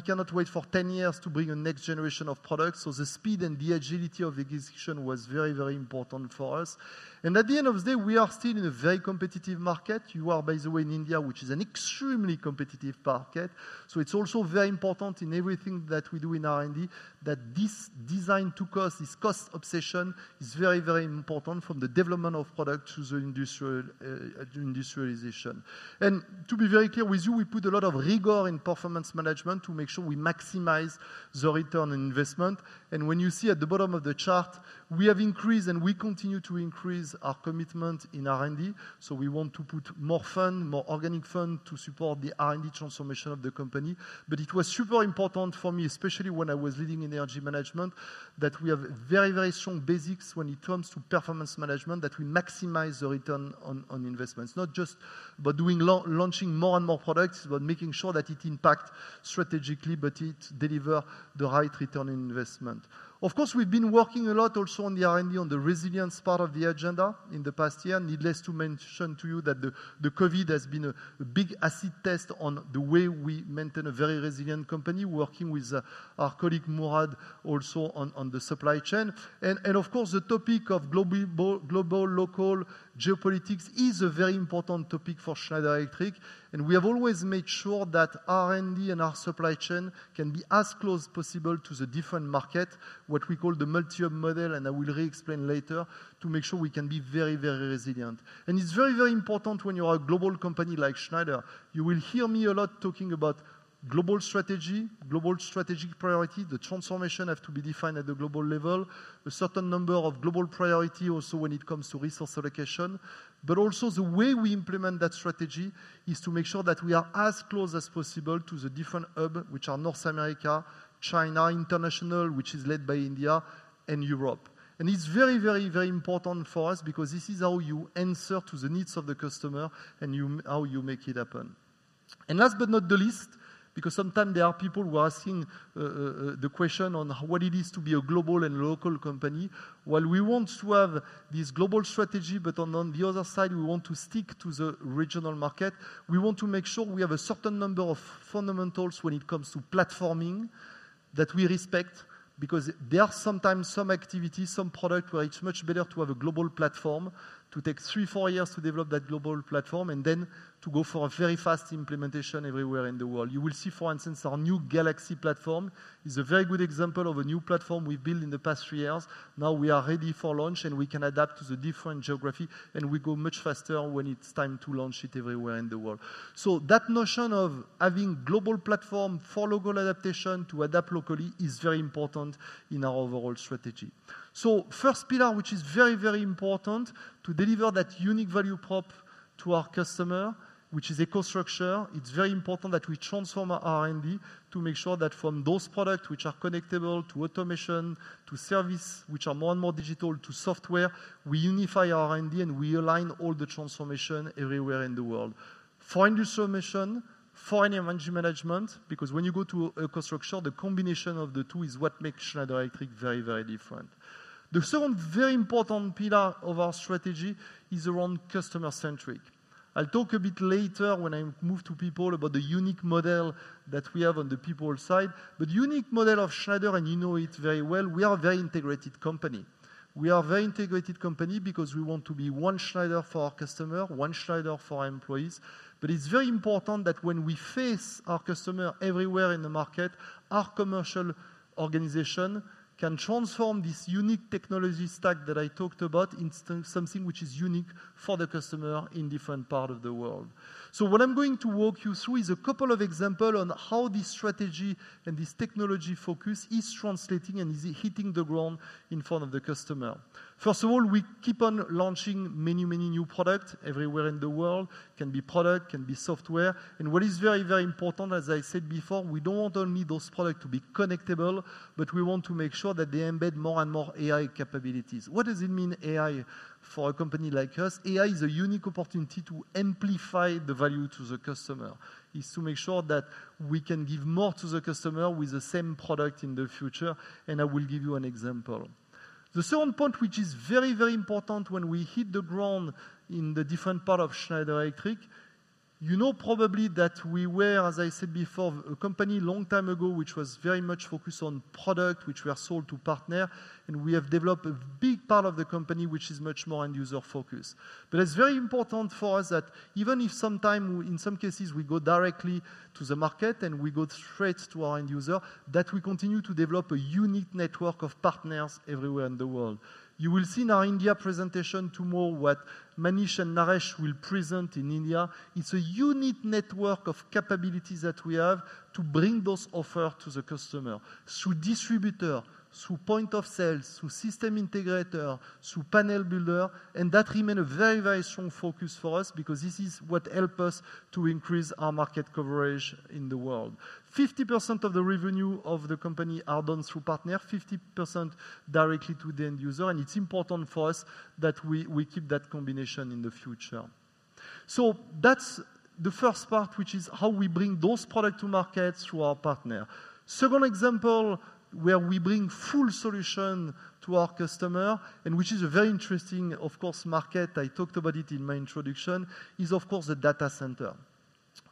cannot wait for 10 years to bring a next generation of products. So the speed and the agility of the execution was very, very important for us. And at the end of the day, we are still in a very competitive market. You are, by the way, in India, which is an extremely competitive market. So it's also very important in everything that we do in R&D that this design to cost, this cost obsession, is very, very important from the development of products to the industrialization. And to be very clear with you, we put a lot of rigor in performance management to make sure we maximize the return on investment. And when you see at the bottom of the chart, we have increased and we continue to increase our commitment in R&D. So we want to put more funds, more organic funds to support the R&D transformation of the company. But it was super important for me, especially when I was leading Energy Management, that we have very, very strong basics when it comes to performance management, that we maximize the return on investments. Not just about launching more and more products, but making sure that it impacts strategically, but it delivers the right return on investment. Of course, we've been working a lot also on the R&D, on the resilience part of the agenda in the past year. Needless to mention to you that the COVID has been a big acid test on the way we maintain a very resilient company, working with our colleague Mourad also on the supply chain, and of course, the topic of global, local, geopolitics is a very important topic for Schneider Electric, and we have always made sure that R&D and our supply chain can be as close as possible to the different markets, what we call the multi-hub model, and I will re-explain later to make sure we can be very, very resilient, and it's very, very important when you are a global company like Schneider. You will hear me a lot talking about global strategy, global strategic priorities, the transformation has to be defined at the global level, a certain number of global priorities also when it comes to resource allocation. But also the way we implement that strategy is to make sure that we are as close as possible to the different hubs, which are North America, China, international, which is led by India, and Europe. And it's very, very, very important for us because this is how you answer to the needs of the customer and how you make it happen. Last but not the least, because sometimes there are people who are asking the question on what it is to be a global and local company, while we want to have this global strategy, but on the other side, we want to stick to the regional market, we want to make sure we have a certain number of fundamentals when it comes to platforming that we respect because there are sometimes some activities, some products where it's much better to have a global platform, to take three, four years to develop that global platform, and then to go for a very fast implementation everywhere in the world. You will see, for instance, our new Galaxy platform is a very good example of a new platform we built in the past three years. Now we are ready for launch, and we can adapt to the different geography, and we go much faster when it's time to launch it everywhere in the world. So that notion of having a global platform for local adaptation to adapt locally is very important in our overall strategy. So first pillar, which is very, very important to deliver that unique value prop to our customer, which is EcoStruxure. It's very important that we transform our R&D to make sure that from those products which are connectable to automation, to services which are more and more digital, to software, we unify our R&D and we align all the transformation everywhere in the world. For Industrial Automation, for Energy Management, because when you go to EcoStruxure, the combination of the two is what makes Schneider Electric very, very different. The second very important pillar of our strategy is around customer-centric. I'll talk a bit later when I move to people about the unique model that we have on the people side. But the unique model of Schneider, and you know it very well, we are a very integrated company. We are a very integrated company because we want to be one Schneider for our customer, one Schneider for our employees. But it's very important that when we face our customer everywhere in the market, our commercial organization can transform this unique technology stack that I talked about into something which is unique for the customer in different parts of the world. So what I'm going to walk you through is a couple of examples on how this strategy and this technology focus is translating and is hitting the ground in front of the customer. First of all, we keep on launching many, many new products everywhere in the world.It can be products, it can be software. And what is very, very important, as I said before, we don't want only those products to be connectable, but we want to make sure that they embed more and more AI capabilities. What does it mean, AI, for a company like us? AI is a unique opportunity to amplify the value to the customer. It's to make sure that we can give more to the customer with the same product in the future. And I will give you an example. The second point, which is very, very important when we hit the ground in the different parts of Schneider Electric, you know probably that we were, as I said before, a company a long time ago which was very much focused on products which were sold to partners, and we have developed a big part of the company which is much more end-user focused. But it's very important for us that even if sometimes in some cases we go directly to the market and we go straight to our end-user, that we continue to develop a unique network of partners everywhere in the world. You will see in our India presentation tomorrow what Manish and Naresh will present in India. It's a unique network of capabilities that we have to bring those offers to the customer through distributor, through point of sales, through system integrator, through panel builder. That remains a very, very strong focus for us because this is what helps us to increase our market coverage in the world. 50% of the revenue of the company is done through partners, 50% directly to the end-user. It's important for us that we keep that combination in the future. That's the first part, which is how we bring those products to market through our partners. Second example where we bring full solutions to our customers, and which is a very interesting, of course, market, I talked about it in my introduction, is of course the data center.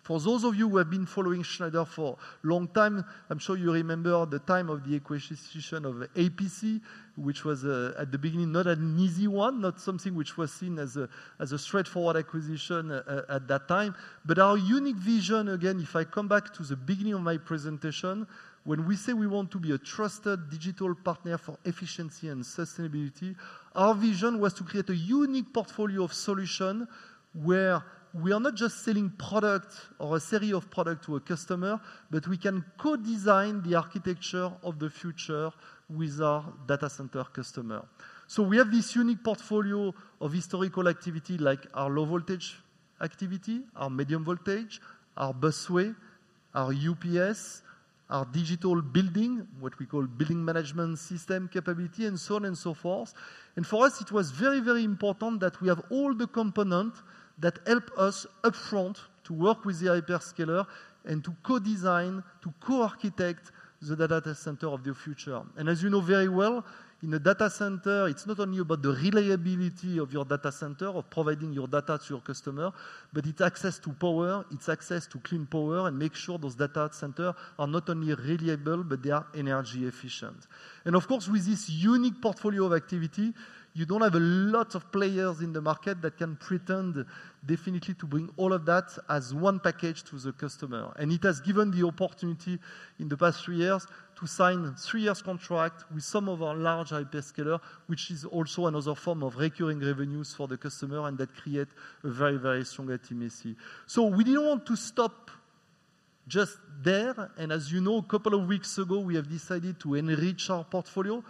For those of you who have been following Schneider for a long time, I'm sure you remember the time of the acquisition of APC, which was at the beginning not an easy one, not something which was seen as a straightforward acquisition at that time. But our unique vision, again, if I come back to the beginning of my presentation, when we say we want to be a trusted digital partner for efficiency and sustainability, our vision was to create a unique portfolio of solutions where we are not just selling products or a series of products to a customer, but we can co-design the architecture of the future with our data center customers. So we have this unique portfolio of historical activity like our low voltage activity, our medium voltage, our busway, our UPS, our digital building, what we call building management system capability, and so on and so forth. And for us, it was very, very important that we have all the components that help us upfront to work with the hyperscaler and to co-design, to co-architect the data center of the future. As you know very well, in a data center, it's not only about the reliability of your data center, of providing your data to your customer, but it's access to power, it's access to clean power, and make sure those data centers are not only reliable, but they are energy efficient. Of course, with this unique portfolio of activity, you don't have a lot of players in the market that can pretend definitely to bring all of that as one package to the customer. It has given the opportunity in the past three years to sign a three-year contract with some of our large hyperscalers, which is also another form of recurring revenues for the customer, and that creates a very, very strong intimacy. We didn't want to stop just there. As you know, a couple of weeks ago, we have decided to enrich our portfolio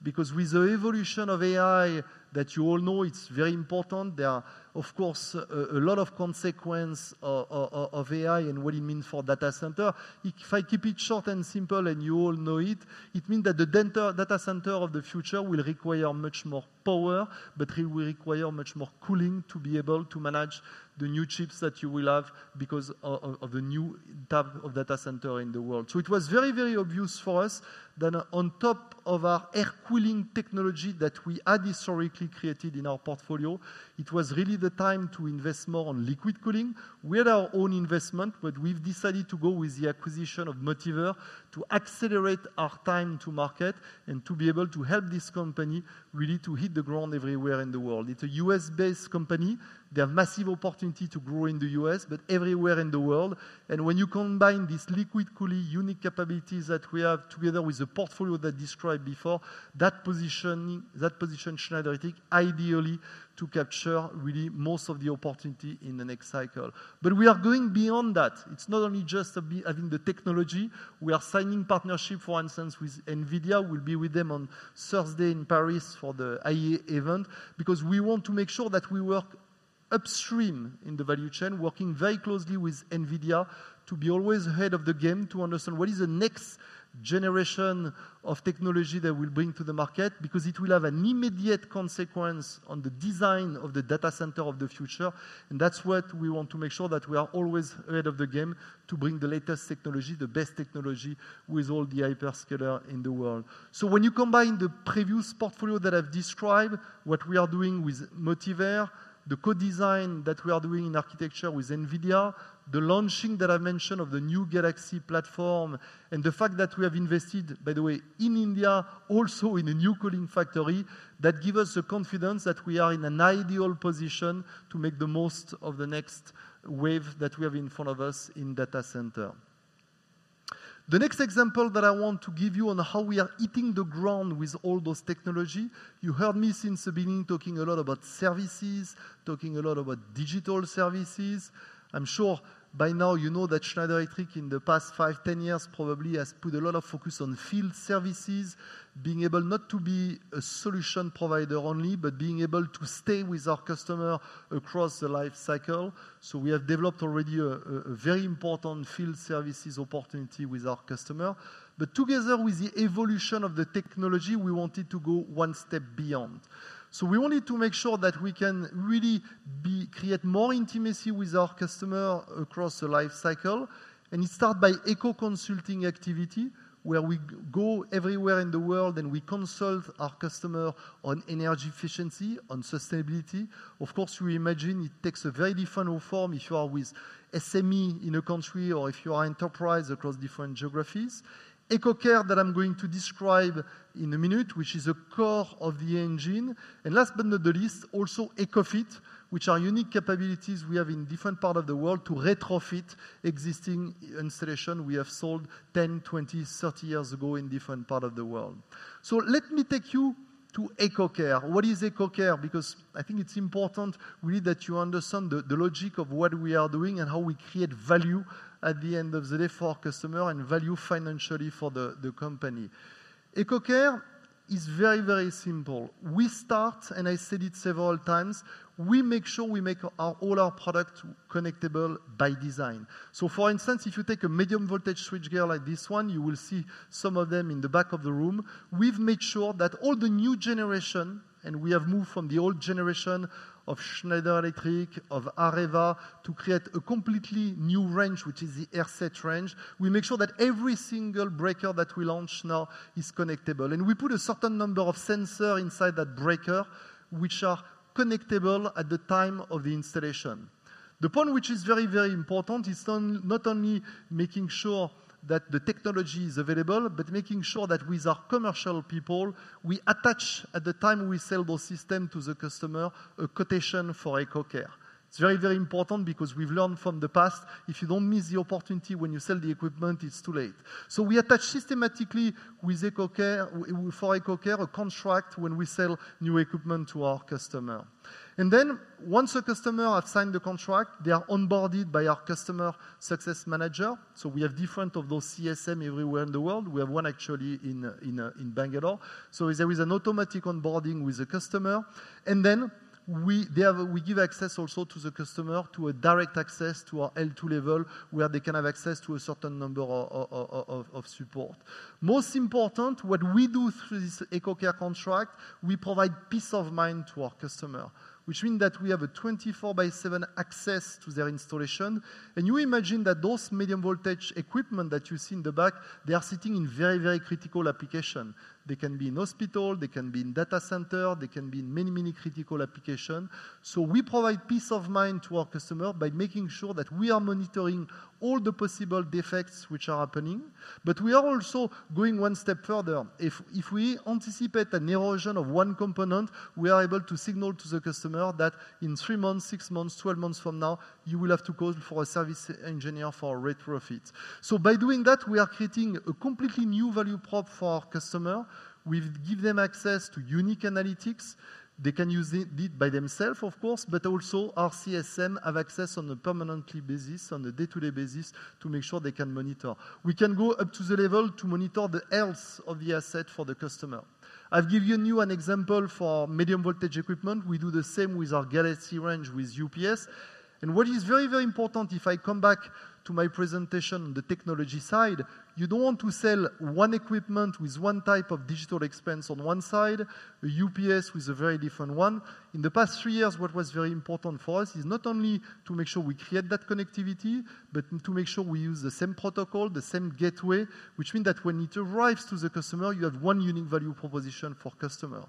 because with the evolution of AI that you all know, it's very important. There are, of course, a lot of consequences of AI and what it means for data centers. If I keep it short and simple and you all know it, it means that the data center of the future will require much more power, but it will require much more cooling to be able to manage the new chips that you will have because of the new type of data center in the world. It was very, very obvious for us that on top of our air cooling technology that we had historically created in our portfolio, it was really the time to invest more on liquid cooling. We had our own investment, but we've decided to go with the acquisition of Motivair to accelerate our time to market and to be able to help this company really to hit the ground everywhere in the world. It's a U.S.-based company. They have massive opportunity to grow in the U.S., but everywhere in the world. And when you combine these liquid cooling unique capabilities that we have together with the portfolio that I described before, that position Schneider Electric ideally to capture really most of the opportunity in the next cycle. But we are going beyond that. It's not only just having the technology. We are signing partnerships, for instance, with NVIDIA. We'll be with them on Thursday in Paris for the IEA event because we want to make sure that we work upstream in the value chain, working very closely with NVIDIA to be always ahead of the game to understand what is the next generation of technology that we'll bring to the market because it will have an immediate consequence on the design of the data center of the future, and that's what we want to make sure that we are always ahead of the game to bring the latest technology, the best technology with all the hyperscalers in the world. So when you combine the previous portfolio that I've described, what we are doing with Motivair, the co-design that we are doing in architecture with NVIDIA, the launching that I've mentioned of the new Galaxy platform, and the fact that we have invested, by the way, in India also in a new cooling factory, that gives us the confidence that we are in an ideal position to make the most of the next wave that we have in front of us in data center. The next example that I want to give you on how we are hitting the ground with all those technologies, you heard me since the beginning talking a lot about services, talking a lot about digital services. I'm sure by now you know that Schneider Electric in the past five, 10 years probably has put a lot of focus on field services, being able not to be a solution provider only, but being able to stay with our customer across the life cycle. So we have developed already a very important field services opportunity with our customer. But together with the evolution of the technology, we wanted to go one step beyond. So we wanted to make sure that we can really create more intimacy with our customer across the life cycle. And it starts by eco-consulting activity where we go everywhere in the world and we consult our customer on energy efficiency, on sustainability. Of course, you imagine it takes a very different form if you are with SME in a country or if you are enterprise across different geographies. EcoCare that I'm going to describe in a minute, which is a core of the engine, and last but not the least, also EcoFit, which are unique capabilities we have in different parts of the world to retrofit existing installations we have sold 10, 20, 30 years ago in different parts of the world, so let me take you to EcoCare. What is EcoCare? Because I think it's important really that you understand the logic of what we are doing and how we create value at the end of the day for our customer and value financially for the company. EcoCare is very, very simple. We start, and I said it several times, we make sure we make all our products connectable by design, so for instance, if you take a medium voltage switchgear like this one, you will see some of them in the back of the room. We've made sure that all the new generation, and we have moved from the old generation of Schneider Electric, of AREVA, to create a completely new range, which is the AirSeT range. We make sure that every single breaker that we launch now is connectable, and we put a certain number of sensors inside that breaker, which are connectable at the time of the installation. The point which is very, very important is not only making sure that the technology is available, but making sure that with our commercial people, we attach at the time we sell those systems to the customer a quotation for EcoCare. It's very, very important because we've learned from the past, if you don't miss the opportunity when you sell the equipment, it's too late, so we attach systematically with EcoCare a contract when we sell new equipment to our customer. Once the customer has signed the contract, they are onboarded by our customer success manager. We have different of those CSMs everywhere in the world. We have one actually in Bangalore. There is an automatic onboarding with the customer. We give access also to the customer to a direct access to our L2 level where they can have access to a certain number of support. Most important, what we do through this EcoCare contract, we provide peace of mind to our customer, which means that we have 24/7 access to their installation. You imagine that those medium voltage equipment that you see in the back, they are sitting in very, very critical applications. They can be in hospitals, they can be in data centers, they can be in many, many critical applications. So we provide peace of mind to our customers by making sure that we are monitoring all the possible defects which are happening. But we are also going one step further. If we anticipate an erosion of one component, we are able to signal to the customer that in three months, six months, twelve months from now, you will have to call for a service engineer for retrofit. So by doing that, we are creating a completely new value prop for our customer. We give them access to unique analytics. They can use it by themselves, of course, but also our CSMs have access on a permanent basis, on a day-to-day basis to make sure they can monitor. We can go up to the level to monitor the health of the asset for the customer. I've given you an example for medium voltage equipment. We do the same with our Galaxy range with UPS. What is very, very important, if I come back to my presentation on the technology side, you don't want to sell one equipment with one type of digital experience on one side, a UPS with a very different one. In the past three years, what was very important for us is not only to make sure we create that connectivity, but to make sure we use the same protocol, the same gateway, which means that when it arrives to the customer, you have one unique value proposition for the customer.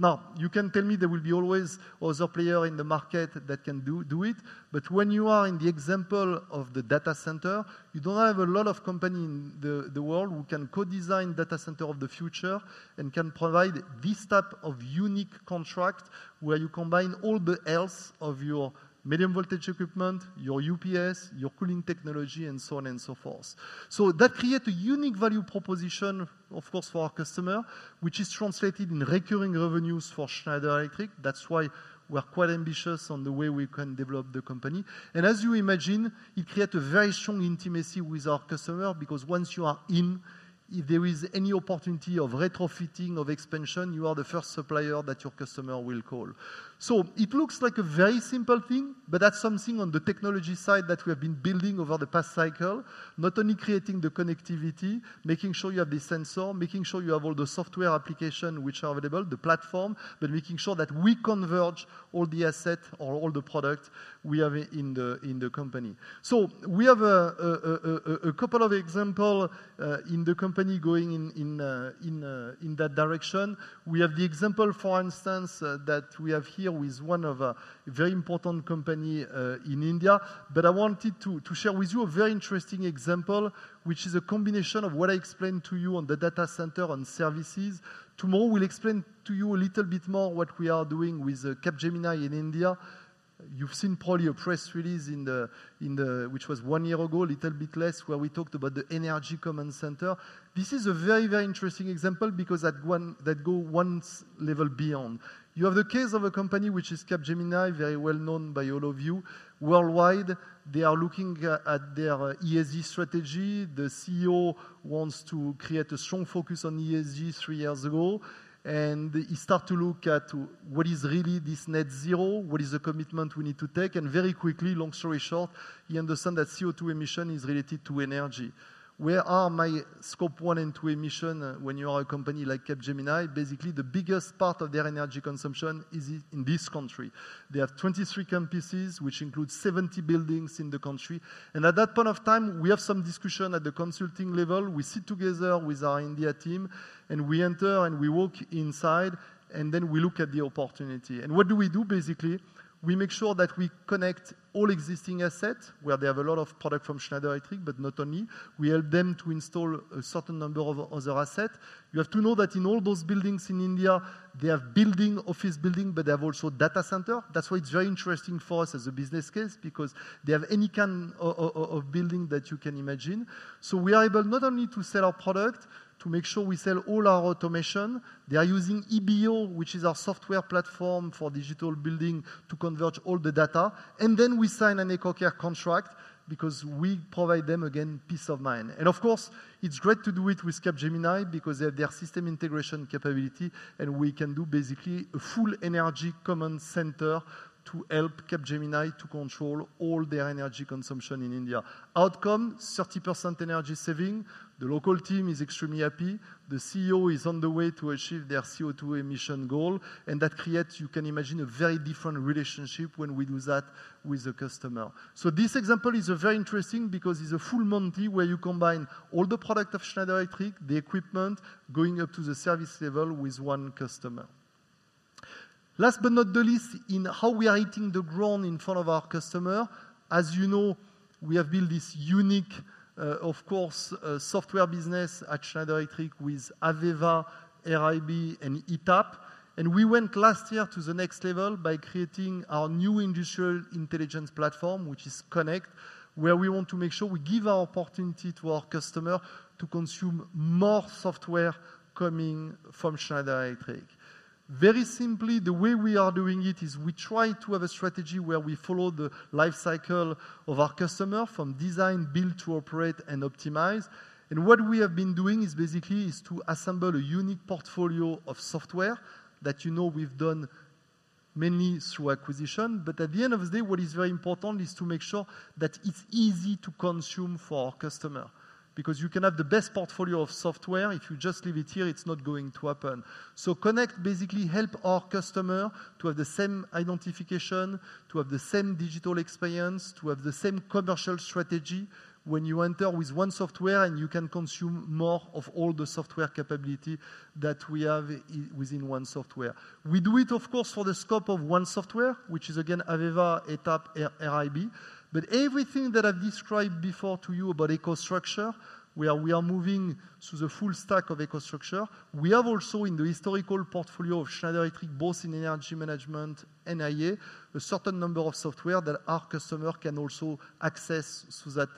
Now, you can tell me there will be always other players in the market that can do it, but when you are in the example of the data center, you don't have a lot of companies in the world who can co-design data centers of the future and can provide this type of unique contract where you combine all the health of your medium voltage equipment, your UPS, your cooling technology, and so on and so forth. So that creates a unique value proposition, of course, for our customer, which is translated in recurring revenues for Schneider Electric. That's why we are quite ambitious on the way we can develop the company. And as you imagine, it creates a very strong intimacy with our customer because once you are in, if there is any opportunity of retrofitting, of expansion, you are the first supplier that your customer will call. It looks like a very simple thing, but that's something on the technology side that we have been building over the past cycle, not only creating the connectivity, making sure you have the sensor, making sure you have all the software applications which are available, the platform, but making sure that we converge all the assets or all the products we have in the company. So we have a couple of examples in the company going in that direction. We have the example, for instance, that we have here with one of the very important companies in India, but I wanted to share with you a very interesting example, which is a combination of what I explained to you on the data center and services. Tomorrow, we'll explain to you a little bit more what we are doing with Capgemini in India. You've seen probably a press release which was one year ago, a little bit less, where we talked about the Energy Command Center. This is a very, very interesting example because that goes one level beyond. You have the case of a company which is Capgemini, very well known by all of you. Worldwide, they are looking at their ESG strategy. The CEO wants to create a strong focus on ESG three years ago, and he starts to look at what is really this net-zero, what is the commitment we need to take, and very quickly, long story short, he understands that CO2 emission is related to energy. Where are my scope one and two emissions when you are a company like Capgemini? Basically, the biggest part of their energy consumption is in this country. They have 23 campuses, which include 70 buildings in the country. And at that point of time, we have some discussion at the consulting level. We sit together with our India team, and we enter and we walk inside, and then we look at the opportunity. And what do we do, basically? We make sure that we connect all existing assets where they have a lot of products from Schneider Electric, but not only. We help them to install a certain number of other assets. You have to know that in all those buildings in India, they have buildings, office buildings, but they have also data centers. That's why it's very interesting for us as a business case because they have any kind of building that you can imagine. So we are able not only to sell our product, to make sure we sell all our automation. They are using EBO, which is our software platform for digital building, to converge all the data, and then we sign an EcoCare contract because we provide them, again, peace of mind, and of course, it's great to do it with Capgemini because they have their system integration capability, and we can do basically a full Energy Command Center to help Capgemini to control all their energy consumption in India. Outcome, 30% energy saving. The local team is extremely happy. The CEO is on the way to achieve their CO2 emission goal, and that creates, you can imagine, a very different relationship when we do that with the customer. So this example is very interesting because it's the full monty where you combine all the products of Schneider Electric, the equipment, going up to the service level with one customer. Last but not the least, in how we are hitting the ground in front of our customer, as you know, we have built this unique, of course, software business at Schneider Electric with AVEVA, RIB, and ETAP. And we went last year to the next level by creating our new industrial intelligence platform, which is CONNECT, where we want to make sure we give our opportunity to our customer to consume more software coming from Schneider Electric. Very simply, the way we are doing it is we try to have a strategy where we follow the life cycle of our customer from design, build, to operate, and optimize. And what we have been doing is basically to assemble a unique portfolio of software that you know we've done mainly through acquisition. But at the end of the day, what is very important is to make sure that it's easy to consume for our customer because you can have the best portfolio of software, if you just leave it here, it's not going to happen. So CONNECT basically helps our customer to have the same identification, to have the same digital experience, to have the same commercial strategy when you enter with one software, and you can consume more of all the software capabilities that we have within one software. We do it, of course, for the scope of one software, which is, again, AVEVA, ETAP, RIB. But everything that I've described before to you about EcoStruxure, where we are moving to the full stack of EcoStruxure, we have also in the historical portfolio of Schneider Electric, both in Energy Management and IA, a certain number of software that our customer can also access through that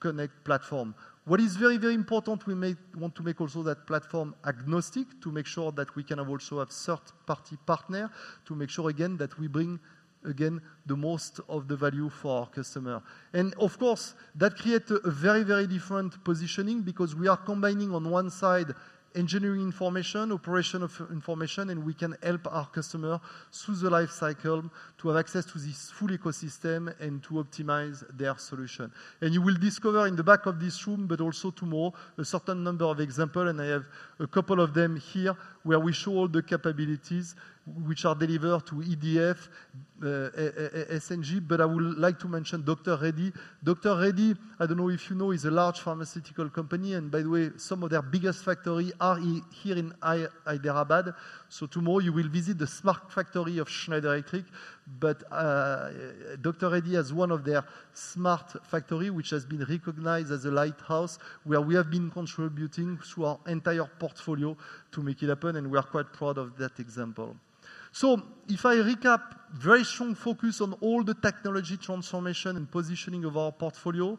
CONNECT platform. What is very, very important, we want to make also that platform agnostic to make sure that we can also have third-party partners to make sure, again, that we bring, again, the most of the value for our customer. And of course, that creates a very, very different positioning because we are combining on one side engineering information, operational information, and we can help our customer through the life cycle to have access to this full ecosystem and to optimize their solution. You will discover in the back of this room, but also tomorrow, a certain number of examples, and I have a couple of them here where we show all the capabilities which are delivered to EDF, SCG, but I would like to mention Dr. Reddy's. Dr. Reddy's, I don't know if you know, is a large pharmaceutical company, and by the way, some of their biggest factories are here in Hyderabad. Tomorrow, you will visit the smart factory of Schneider Electric, but Dr. Reddy's has one of their smart factories which has been recognized as a lighthouse where we have been contributing through our entire portfolio to make it happen, and we are quite proud of that example. So if I recap, very strong focus on all the technology transformation and positioning of our portfolio,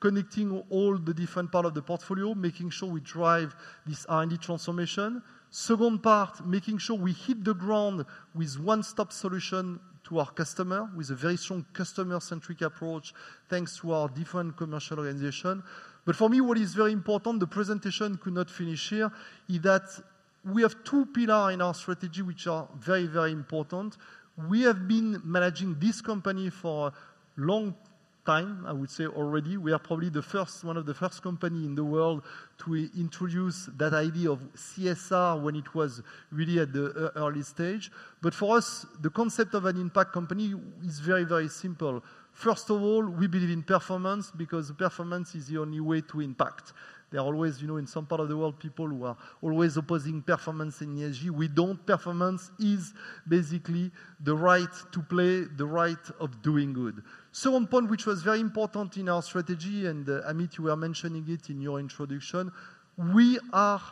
connecting all the different parts of the portfolio, making sure we drive this R&D transformation. Second part, making sure we hit the ground with one-stop solution to our customer with a very strong customer-centric approach thanks to our different commercial organization. But for me, what is very important, the presentation could not finish here, is that we have two pillars in our strategy which are very, very important. We have been managing this company for a long time, I would say already. We are probably one of the first companies in the world to introduce that idea of CSR when it was really at the early stage. But for us, the concept of an impact company is very, very simple. First of all, we believe in performance because performance is the only way to impact. There are always, you know, in some part of the world, people who are always opposing performance in ESG. We don't. Performance is basically the right to play, the right of doing good. Second point, which was very important in our strategy, and Amit, you were mentioning it in your introduction, we are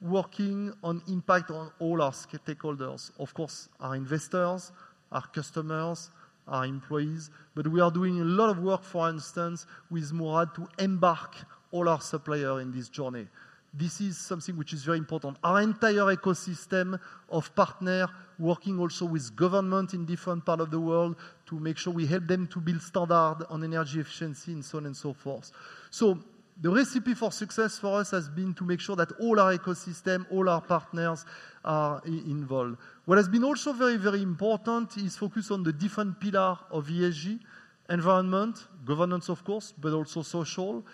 working on impact on all our stakeholders. Of course, our investors, our customers, our employees, but we are doing a lot of work, for instance, with Mourad to embark all our suppliers in this journey. This is something which is very important. Our entire ecosystem of partners working also with governments in different parts of the world to make sure we help them to build standards on energy efficiency and so on and so forth. So the recipe for success for us has been to make sure that all our ecosystem, all our partners are involved. What has been also very, very important is focus on the different pillars of ESG, environment, governance, of course, but also social.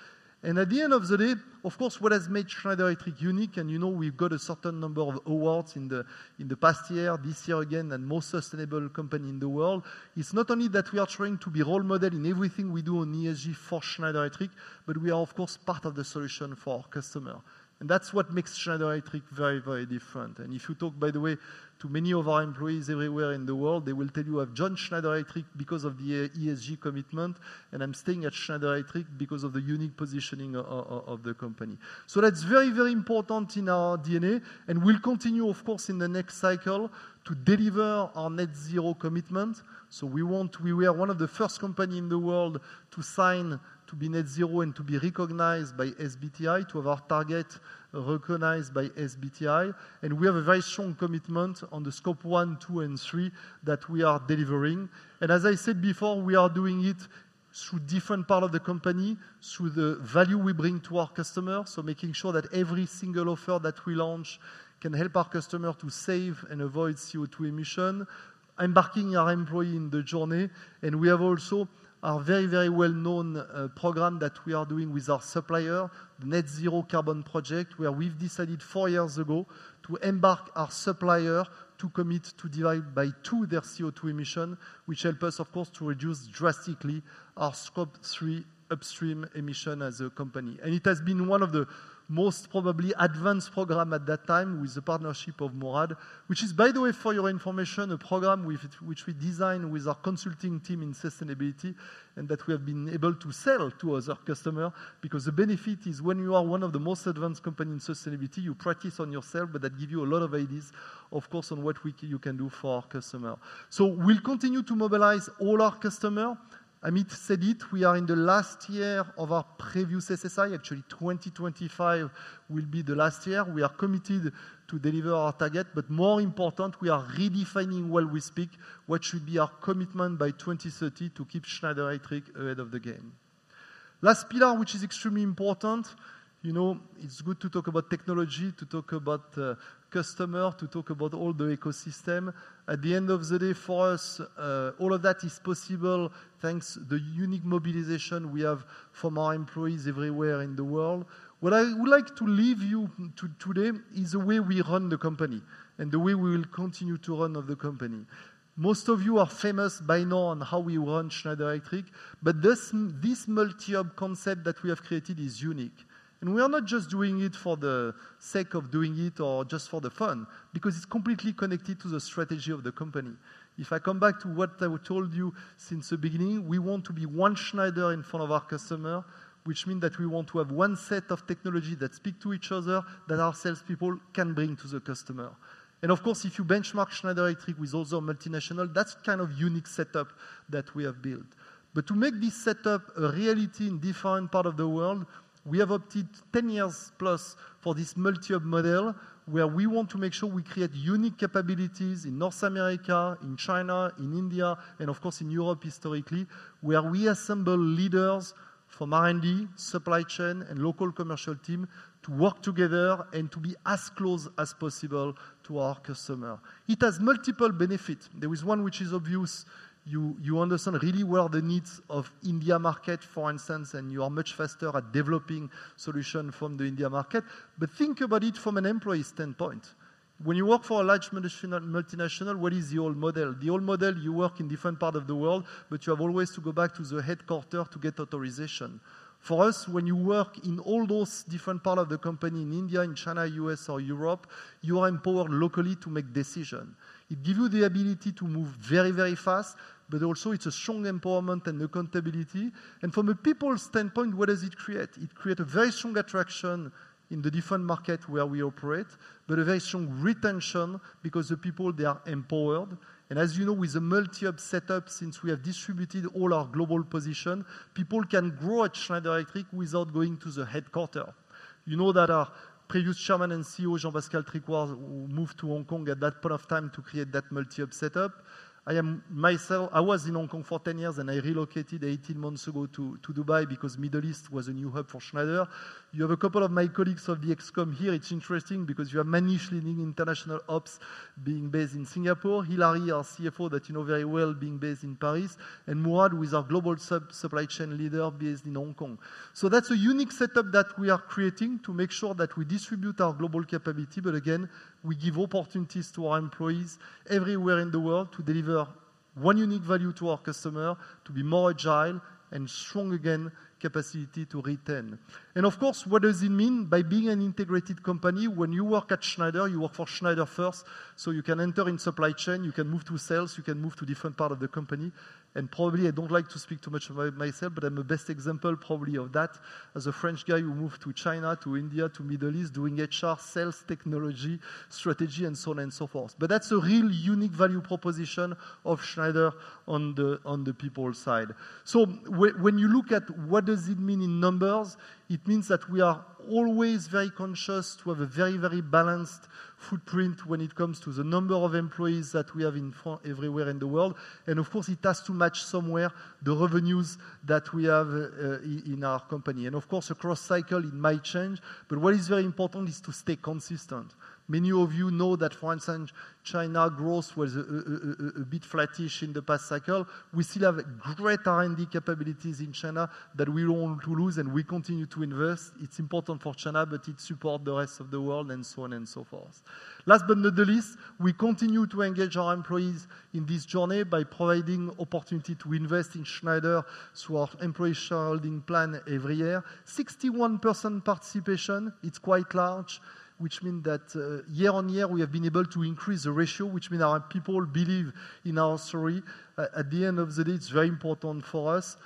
And at the end of the day, of course, what has made Schneider Electric unique, and you know we've got a certain number of awards in the past year, this year again, and most sustainable company in the world, is not only that we are trying to be a role model in everything we do in ESG for Schneider Electric, but we are, of course, part of the solution for our customers. And that's what makes Schneider Electric very, very different. And if you talk, by the way, to many of our employees everywhere in the world, they will tell you, "I've joined Schneider Electric because of the ESG commitment, and I'm staying at Schneider Electric because of the unique positioning of the company." So that's very, very important in our DNA, and we'll continue, of course, in the next cycle to deliver our net-zero commitment. So we are one of the first companies in the world to sign to be net-zero and to be recognized by SBTi to have our target recognized by SBTi. And we have a very strong commitment on the scope one, two, and three that we are delivering. And as I said before, we are doing it through different parts of the company, through the value we bring to our customers, so making sure that every single offer that we launch can help our customers to save and avoid CO2 emission, embarking our employees in the journey. And we have also our very, very well-known program that we are doing with our supplier, the Net-Zero Carbon Project, where we've decided four years ago to embark our supplier to commit to divide by two their CO2 emission, which helps us, of course, to reduce drastically our Scope 3 upstream emission as a company. And it has been one of the most probably advanced programs at that time with the partnership of Mourad, which is, by the way, for your information, a program which we designed with our consulting team in sustainability and that we have been able to sell to other customers because the benefit is when you are one of the most advanced companies in sustainability, you practice on yourself, but that gives you a lot of ideas, of course, on what you can do for our customers. So we'll continue to mobilize all our customers. Amit said it, we are in the last year of our previous SSI. Actually, 2025 will be the last year. We are committed to deliver our target, but more important, we are redefining while we speak what should be our commitment by 2030 to keep Schneider Electric ahead of the game. Last pillar, which is extremely important, you know it's good to talk about technology, to talk about customers, to talk about all the ecosystem. At the end of the day, for us, all of that is possible thanks to the unique mobilization we have from our employees everywhere in the world. What I would like to leave you to today is the way we run the company and the way we will continue to run the company. Most of you are famous by now on how we run Schneider Electric, but this multi-hub concept that we have created is unique, and we are not just doing it for the sake of doing it or just for the fun because it's completely connected to the strategy of the company. If I come back to what I told you since the beginning, we want to be one Schneider in front of our customer, which means that we want to have one set of technologies that speak to each other that our salespeople can bring to the customer. And of course, if you benchmark Schneider Electric with also multinationals, that's the kind of unique setup that we have built. But to make this setup a reality in different parts of the world, we have opted 10 years plus for this multi-hub model where we want to make sure we create unique capabilities in North America, in China, in India, and of course in Europe historically, where we assemble leaders from R&D, supply chain, and local commercial teams to work together and to be as close as possible to our customers. It has multiple benefits. There is one which is obvious. You understand really well the needs of the India market, for instance, and you are much faster at developing solutions from the India market. But think about it from an employee standpoint. When you work for a large multinational, what is the old model? The old model, you work in different parts of the world, but you have always to go back to the headquarters to get authorization. For us, when you work in all those different parts of the company in India, in China, U.S., or Europe, you are empowered locally to make decisions. It gives you the ability to move very, very fast, but also it's a strong empowerment and accountability. And from a people standpoint, what does it create? It creates a very strong attraction in the different markets where we operate, but a very strong retention because the people, they are empowered. As you know, with the multi-hub setup, since we have distributed all our global positions, people can grow at Schneider Electric without going to the headquarters. You know that our previous Chairman and CEO, Jean-Pascal Tricoire, moved to Hong Kong at that point of time to create that multi-hub setup. I was in Hong Kong for 10 years, and I relocated 18 months ago to Dubai because the Middle East was a new hub for Schneider. You have a couple of my colleagues of the ExCom here. It's interesting because you have many international ops being based in Singapore, Hilary, our CFO, that you know very well, being based in Paris, and Mourad, who is our global supply chain leader based in Hong Kong. So that's a unique setup that we are creating to make sure that we distribute our global capability, but again, we give opportunities to our employees everywhere in the world to deliver one unique value to our customers, to be more agile and strong again, capacity to retain. And of course, what does it mean by being an integrated company? When you work at Schneider, you work for Schneider first, so you can enter in supply chain, you can move to sales, you can move to different parts of the company. And probably, I don't like to speak too much about myself, but I'm the best example probably of that as a French guy who moved to China, to India, to the Middle East doing HR, sales, technology, strategy, and so on and so forth. But that's a real unique value proposition of Schneider on the people side. So when you look at what does it mean in numbers, it means that we are always very conscious to have a very, very balanced footprint when it comes to the number of employees that we have everywhere in the world. And of course, it has to match somewhere the revenues that we have in our company. And of course, the growth cycle, it might change, but what is very important is to stay consistent. Many of you know that, for instance, China growth was a bit flattish in the past cycle. We still have great R&D capabilities in China that we don't want to lose, and we continue to invest. It's important for China, but it supports the rest of the world and so on and so forth. Last but not the least, we continue to engage our employees in this journey by providing opportunities to invest in Schneider through our employee shareholding plan every year; 61% participation, it's quite large, which means that year-on-year, we have been able to increase the ratio, which means our people believe in our story. At the end of the day, it's very important for us.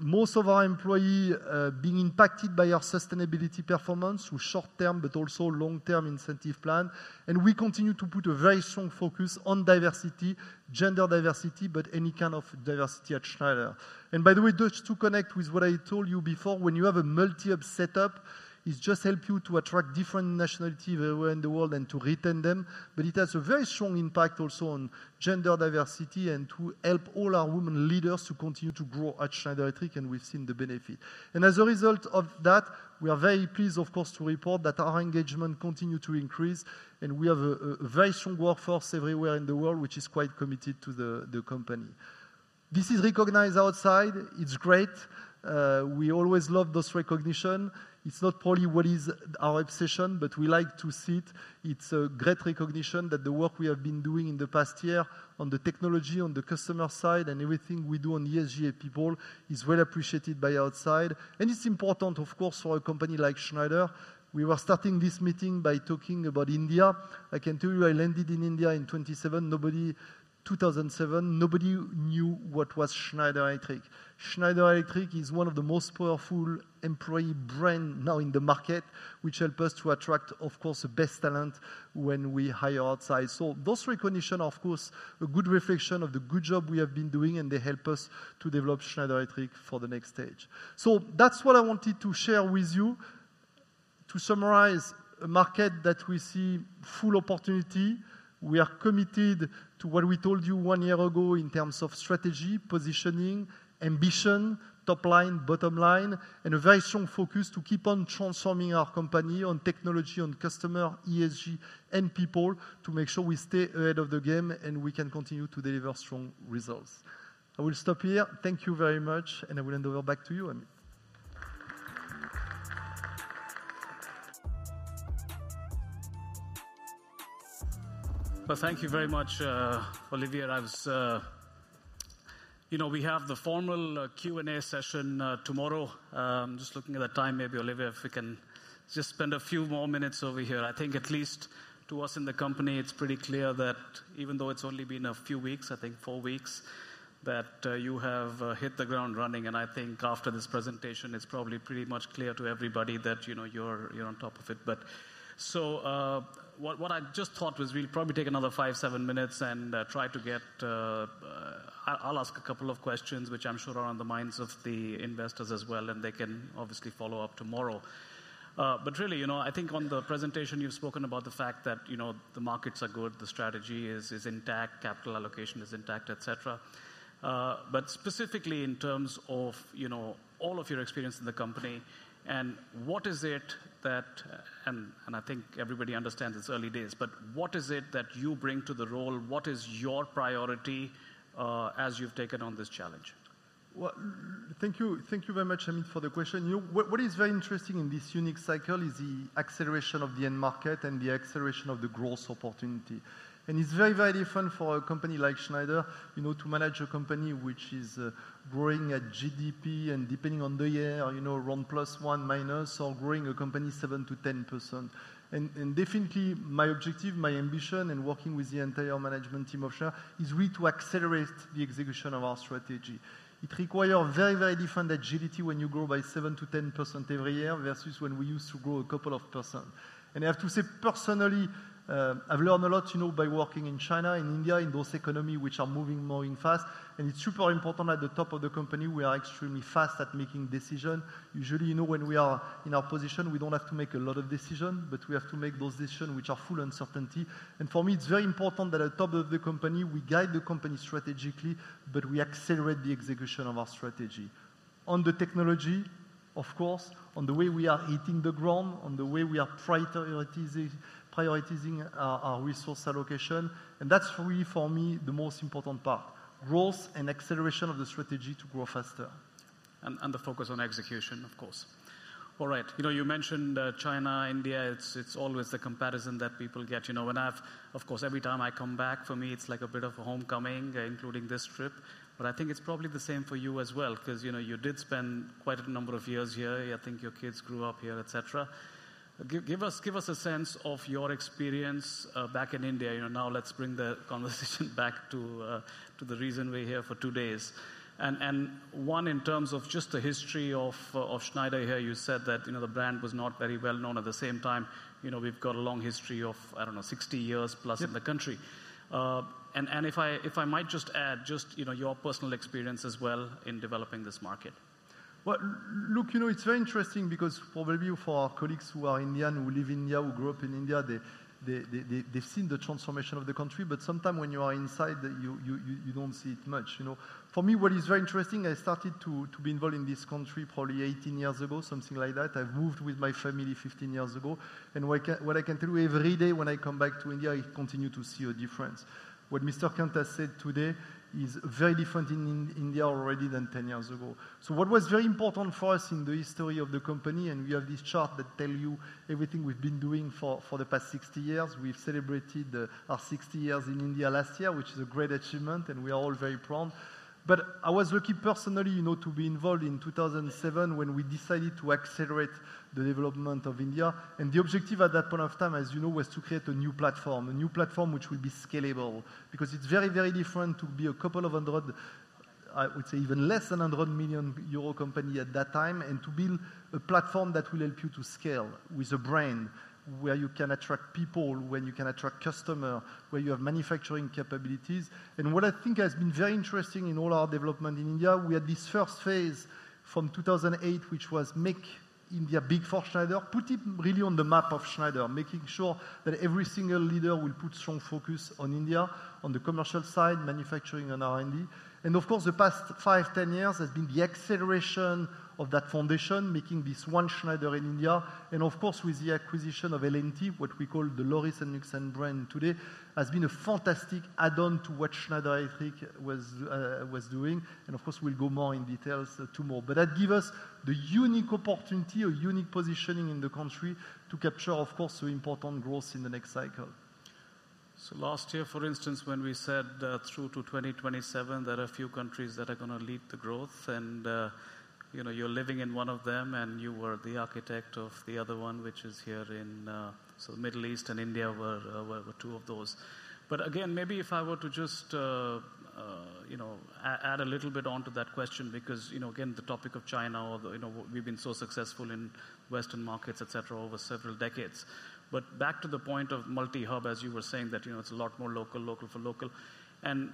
Most of our employees are being impacted by our sustainability performance through short-term but also long-term incentive plan, and we continue to put a very strong focus on diversity, gender diversity, but any kind of diversity at Schneider. And by the way, just to connect with what I told you before, when you have a multi-op setup, it just helps you to attract different nationalities everywhere in the world and to retain them, but it has a very strong impact also on gender diversity and to help all our women leaders to continue to grow at Schneider Electric, and we've seen the benefit, and as a result of that, we are very pleased, of course, to report that our engagement continues to increase, and we have a very strong workforce everywhere in the world, which is quite committed to the company. This is recognized outside. It's great. We always love this recognition. It's not probably what is our obsession, but we like to see it. It's a great recognition that the work we have been doing in the past year on the technology, on the customer side, and everything we do on ESG and people is well appreciated by outside, and it's important, of course, for a company like Schneider. We were starting this meeting by talking about India. I can tell you, I landed in India in 2007. Nobody, 2007, nobody knew what was Schneider Electric. Schneider Electric is one of the most powerful employee brands now in the market, which helps us to attract, of course, the best talent when we hire outside. So those recognitions, of course, are a good reflection of the good job we have been doing, and they help us to develop Schneider Electric for the next stage. So that's what I wanted to share with you. To summarize, a market that we see full opportunity. We are committed to what we told you one year ago in terms of strategy, positioning, ambition, top line, bottom line, and a very strong focus to keep on transforming our company on technology, on customers, ESG, and people to make sure we stay ahead of the game and we can continue to deliver strong results. I will stop here. Thank you very much, and I will hand over back to you, Amit. Well, thank you very much, Olivier. You know, we have the formal Q&A session tomorrow. I'm just looking at the time, maybe, Olivier, if we can just spend a few more minutes over here. I think at least to us in the company, it's pretty clear that even though it's only been a few weeks, I think four weeks, that you have hit the ground running. And I think after this presentation, it's probably pretty much clear to everybody that you're on top of it. But so what I just thought was we'll probably take another five, seven minutes and try to get. I'll ask a couple of questions, which I'm sure are on the minds of the investors as well, and they can obviously follow up tomorrow. But really, you know, I think on the presentation, you've spoken about the fact that the markets are good, the strategy is intact, capital allocation is intact, etc. But specifically in terms of all of your experience in the company, and what is it that, and I think everybody understands it's early days, but what is it that you bring to the role? What is your priority as you've taken on this challenge? Well, thank you very much, Amit, for the question. What is very interesting in this unique cycle is the acceleration of the end market and the acceleration of the growth opportunity. It's very, very different for a company like Schneider to manage a company which is growing at GDP and depending on the year, around plus one, minus, or growing a company 7%-10%. Definitely, my objective, my ambition, and working with the entire management team of Schneider is really to accelerate the execution of our strategy. It requires very, very different agility when you grow by 7%-10% every year versus when we used to grow a couple of percent. Personally, I've learned a lot by working in China, in India, in those economies which are moving fast. It's super important at the top of the company. We are extremely fast at making decisions. Usually, when we are in our position, we don't have to make a lot of decisions, but we have to make those decisions which are full of uncertainty. For me, it's very important that at the top of the company, we guide the company strategically, but we accelerate the execution of our strategy. On the technology, of course, on the way we are hitting the ground, on the way we are prioritizing our resource allocation. That's really, for me, the most important part: growth and acceleration of the strategy to grow faster. The focus on execution, of course. All right. You mentioned China, India. It's always the comparison that people get. When I've, of course, every time I come back, for me, it's like a bit of a homecoming, including this trip. But I think it's probably the same for you as well because you did spend quite a number of years here. I think your kids grew up here, etc. Give us a sense of your experience back in India. Now let's bring the conversation back to the reason we're here for two days. And one, in terms of just the history of Schneider here, you said that the brand was not very well known. At the same time, we've got a long history of, I don't know, 60+ years in the country. And if I might just add, just your personal experience as well in developing this market. Well, look, it's very interesting because probably for our colleagues who are Indian, who live in India, who grew up in India, they've seen the transformation of the country, but sometimes when you are inside, you don't see it much. For me, what is very interesting, I started to be involved in this country probably 18 years ago, something like that. I've moved with my family 15 years ago, and what I can tell you, every day when I come back to India, I continue to see a difference. What Mr. Kant said today is very different in India already than 10 years ago, so what was very important for us in the history of the company, and we have this chart that tells you everything we've been doing for the past 60 years. We've celebrated our 60 years in India last year, which is a great achievement, and we are all very proud, but I was lucky personally to be involved in 2007 when we decided to accelerate the development of India. The objective at that point of time, as you know, was to create a new platform, a new platform which would be scalable because it's very, very different to be a couple of hundred, I would say even less than 100 million euro company at that time, and to build a platform that will help you to scale with a brain where you can attract people, where you can attract customers, where you have manufacturing capabilities. What I think has been very interesting in all our development in India, we had this first phase from 2008, which was make India big for Schneider, put it really on the map of Schneider, making sure that every single leader will put strong focus on India, on the commercial side, manufacturing, and R&D. Of course, the past five, 10 years has been the acceleration of that foundation, making this one Schneider in India. Of course, with the acquisition of L&T, what we call the Lauritz Knudsen brand today, has been a fantastic add-on to what Schneider, I think, was doing. Of course, we'll go more in details tomorrow. That gives us the unique opportunity, a unique positioning in the country to capture, of course, the important growth in the next cycle. Last year, for instance, when we said through to 2027, there are a few countries that are going to lead the growth, and you're living in one of them, and you were the architect of the other one, which is here in the Middle East, and India were two of those. But again, maybe if I were to just add a little bit onto that question because, again, the topic of China, we've been so successful in Western markets, etc., over several decades. But back to the point of multi-hub, as you were saying, that it's a lot more local, local for local. And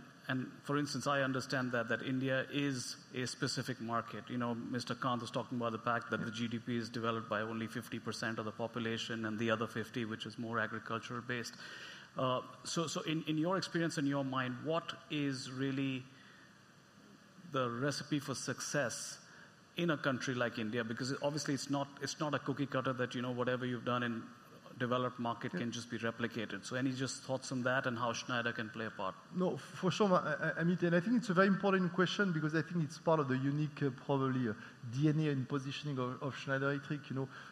for instance, I understand that India is a specific market. Mr. Kant was talking about the fact that the GDP is developed by only 50% of the population and the other 50%, which is more agricultural-based. So in your experience, in your mind, what is really the recipe for success in a country like India? Because obviously, it's not a cookie cutter that whatever you've done in developed markets can just be replicated. So any just thoughts on that and how Schneider can play a part? No, for sure, Amit. And I think it's a very important question because I think it's part of the unique probably DNA and positioning of Schneider Electric.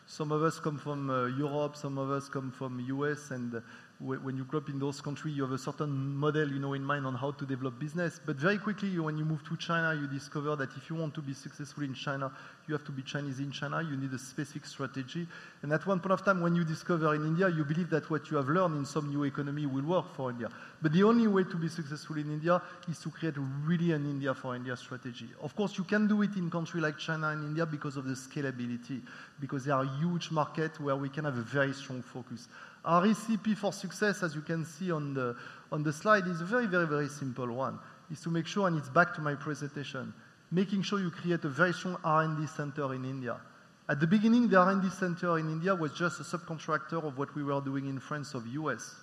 Some of us come from Europe, some of us come from the U.S., and when you grew up in those countries, you have a certain model in mind on how to develop business. But very quickly, when you move to China, you discover that if you want to be successful in China, you have to be Chinese in China. You need a specific strategy. And at one point of time, when you discover in India, you believe that what you have learned in some new economy will work for India. But the only way to be successful in India is to create really an India for India strategy. Of course, you can do it in countries like China and India because of the scalability, because there are huge markets where we can have a very strong focus. Our recipe for success, as you can see on the slide, is a very, very, very simple one. It's to make sure, and it's back to my presentation, making sure you create a very strong R&D center in India. At the beginning, the R&D center in India was just a subcontractor of what we were doing in France or the U.S.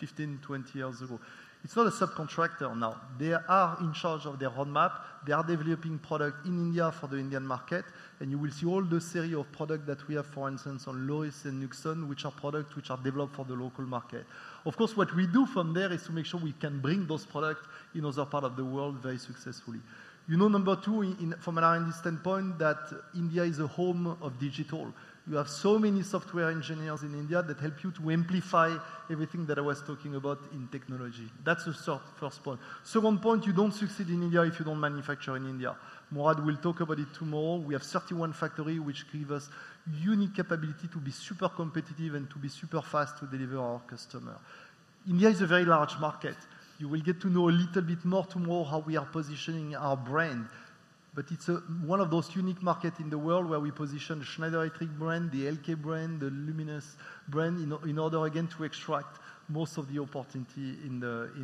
15, 20 years ago. It's not a subcontractor now. They are in charge of their roadmap. They are developing products in India for the Indian market. And you will see all the series of products that we have, for instance, on Lauritz and Knudsen, which are products which are developed for the local market. Of course, what we do from there is to make sure we can bring those products in other parts of the world very successfully. Number two, from an R&D standpoint, that India is a home of digital. You have so many software engineers in India that help you to amplify everything that I was talking about in technology. That's the first point. Second point, you don't succeed in India if you don't manufacture in India. Mourad will talk about it tomorrow. We have 31 factories, which give us unique capability to be super competitive and to be super fast to deliver our customers. India is a very large market. You will get to know a little bit more tomorrow how we are positioning our brand. but it's one of those unique markets in the world where we position the Schneider Electric brand, the LK brand, the Luminous brand in order, again, to extract most of the opportunity in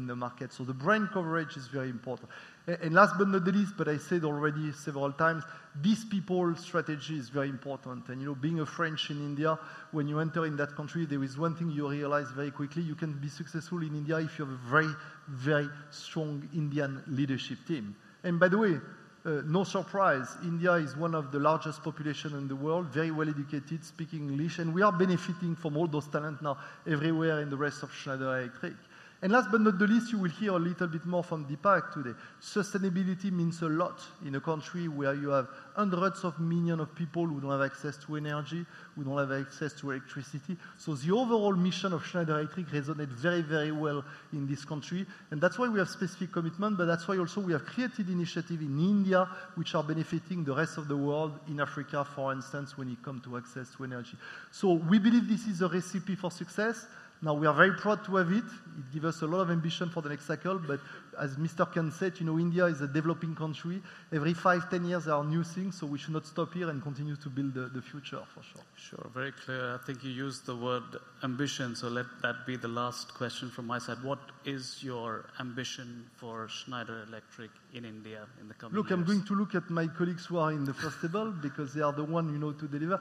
the market. So the brand coverage is very important. And last but not the least, but I said already several times, this people strategy is very important. And being a French in India, when you enter in that country, there is one thing you realize very quickly. You can be successful in India if you have a very, very strong Indian leadership team. And by the way, no surprise, India is one of the largest populations in the world, very well-educated, speaking English. And we are benefiting from all those talents now everywhere in the rest of Schneider Electric. And last but not the least, you will hear a little bit more from Deepak today. Sustainability means a lot in a country where you have hundreds of millions of people who don't have access to energy, who don't have access to electricity. So the overall mission of Schneider Electric resonates very, very well in this country. And that's why we have specific commitments. But that's why also we have created initiatives in India which are benefiting the rest of the world in Africa, for instance, when it comes to access to energy. So we believe this is a recipe for success. Now, we are very proud to have it. It gives us a lot of ambition for the next cycle. But as Mr. Kant said, India is a developing country. Every five, 10 years, there are new things. So we should not stop here and continue to build the future for sure. Sure. Very clear. I think you used the word ambition. So let that be the last question from my side. What is your ambition for Schneider Electric in India in the coming years? Look, I'm going to look at my colleagues who are in there first of all because they are the ones to deliver.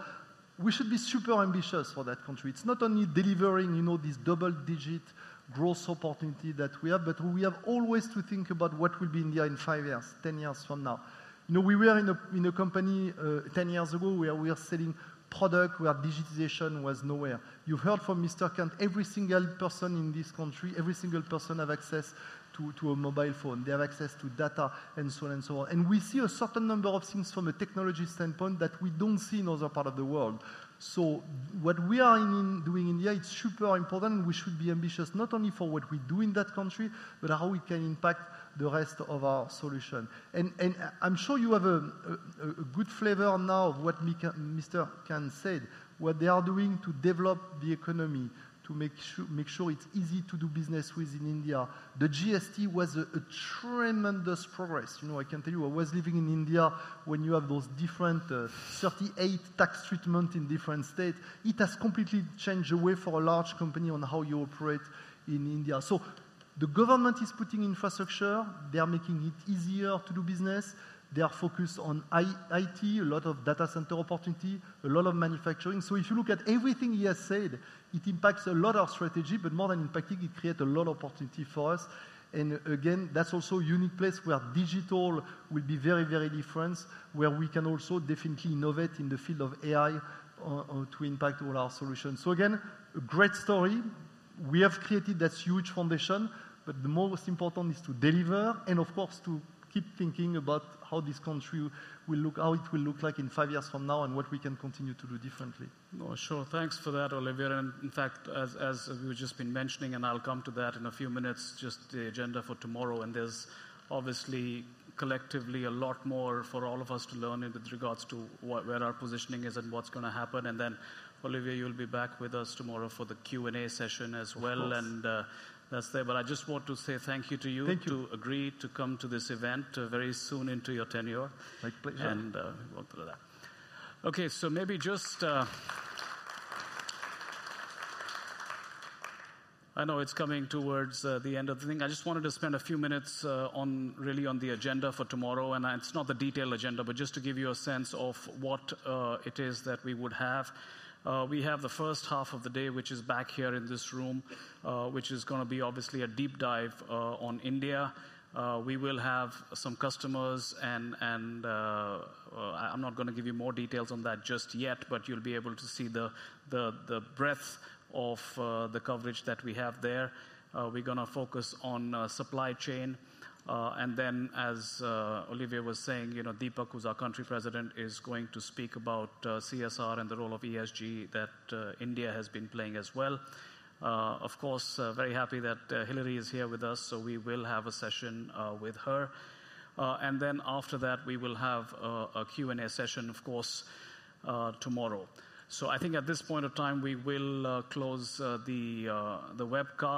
We should be super ambitious for that country. It's not only delivering this double-digit growth opportunity that we have, but we have always to think about what will be India in five years, 10 years from now. We were in a company 10 years ago where we were selling products where digitization was nowhere. You've heard from Mr. Kant, every single person in this country, every single person has access to a mobile phone. They have access to data and so on and so on. And we see a certain number of things from a technology standpoint that we don't see in other parts of the world. So, what we are doing in India is super important. We should be ambitious not only for what we do in that country, but how we can impact the rest of our solution. And I'm sure you have a good flavor now of what Mr. Kant said, what they are doing to develop the economy, to make sure it's easy to do business with in India. The GST was a tremendous progress. I can tell you, I was living in India when you have those different 38 tax treatments in different states. It has completely changed the way for a large company on how you operate in India. So the government is putting infrastructure. They are making it easier to do business. They are focused on IT, a lot of data center opportunity, a lot of manufacturing. So if you look at everything he has said, it impacts a lot of strategy, but more than impacting, it creates a lot of opportunity for us. And again, that's also a unique place where digital will be very, very different, where we can also definitely innovate in the field of AI to impact all our solutions. So again, a great story. We have created that huge foundation, but the most important is to deliver and, of course, to keep thinking about how this country will look, how it will look like in five years from now and what we can continue to do differently. No, sure. Thanks for that, Olivier. And in fact, as we've just been mentioning, and I'll come to that in a few minutes, just the agenda for tomorrow. There's obviously collectively a lot more for all of us to learn in regards to where our positioning is and what's going to happen. And then, Olivier, you'll be back with us tomorrow for the Q&A session as well. And that's there. But I just want to say thank you to you to agree to come to this event very soon into your tenure. Thank you. And we'll go through that. Okay. So maybe just I know it's coming towards the end of the thing. I just wanted to spend a few minutes really on the agenda for tomorrow. And it's not the detailed agenda, but just to give you a sense of what it is that we would have. We have the first half of the day, which is back here in this room, which is going to be obviously a deep dive on India. We will have some customers, and I'm not going to give you more details on that just yet, but you'll be able to see the breadth of the coverage that we have there. We're going to focus on supply chain. And then, as Olivier was saying, Deepak, who's our Country President, is going to speak about CSR and the role of ESG that India has been playing as well. Of course, very happy that Hilary is here with us, so we will have a session with her. And then after that, we will have a Q&A session, of course, tomorrow. So I think at this point of time, we will close the webcast.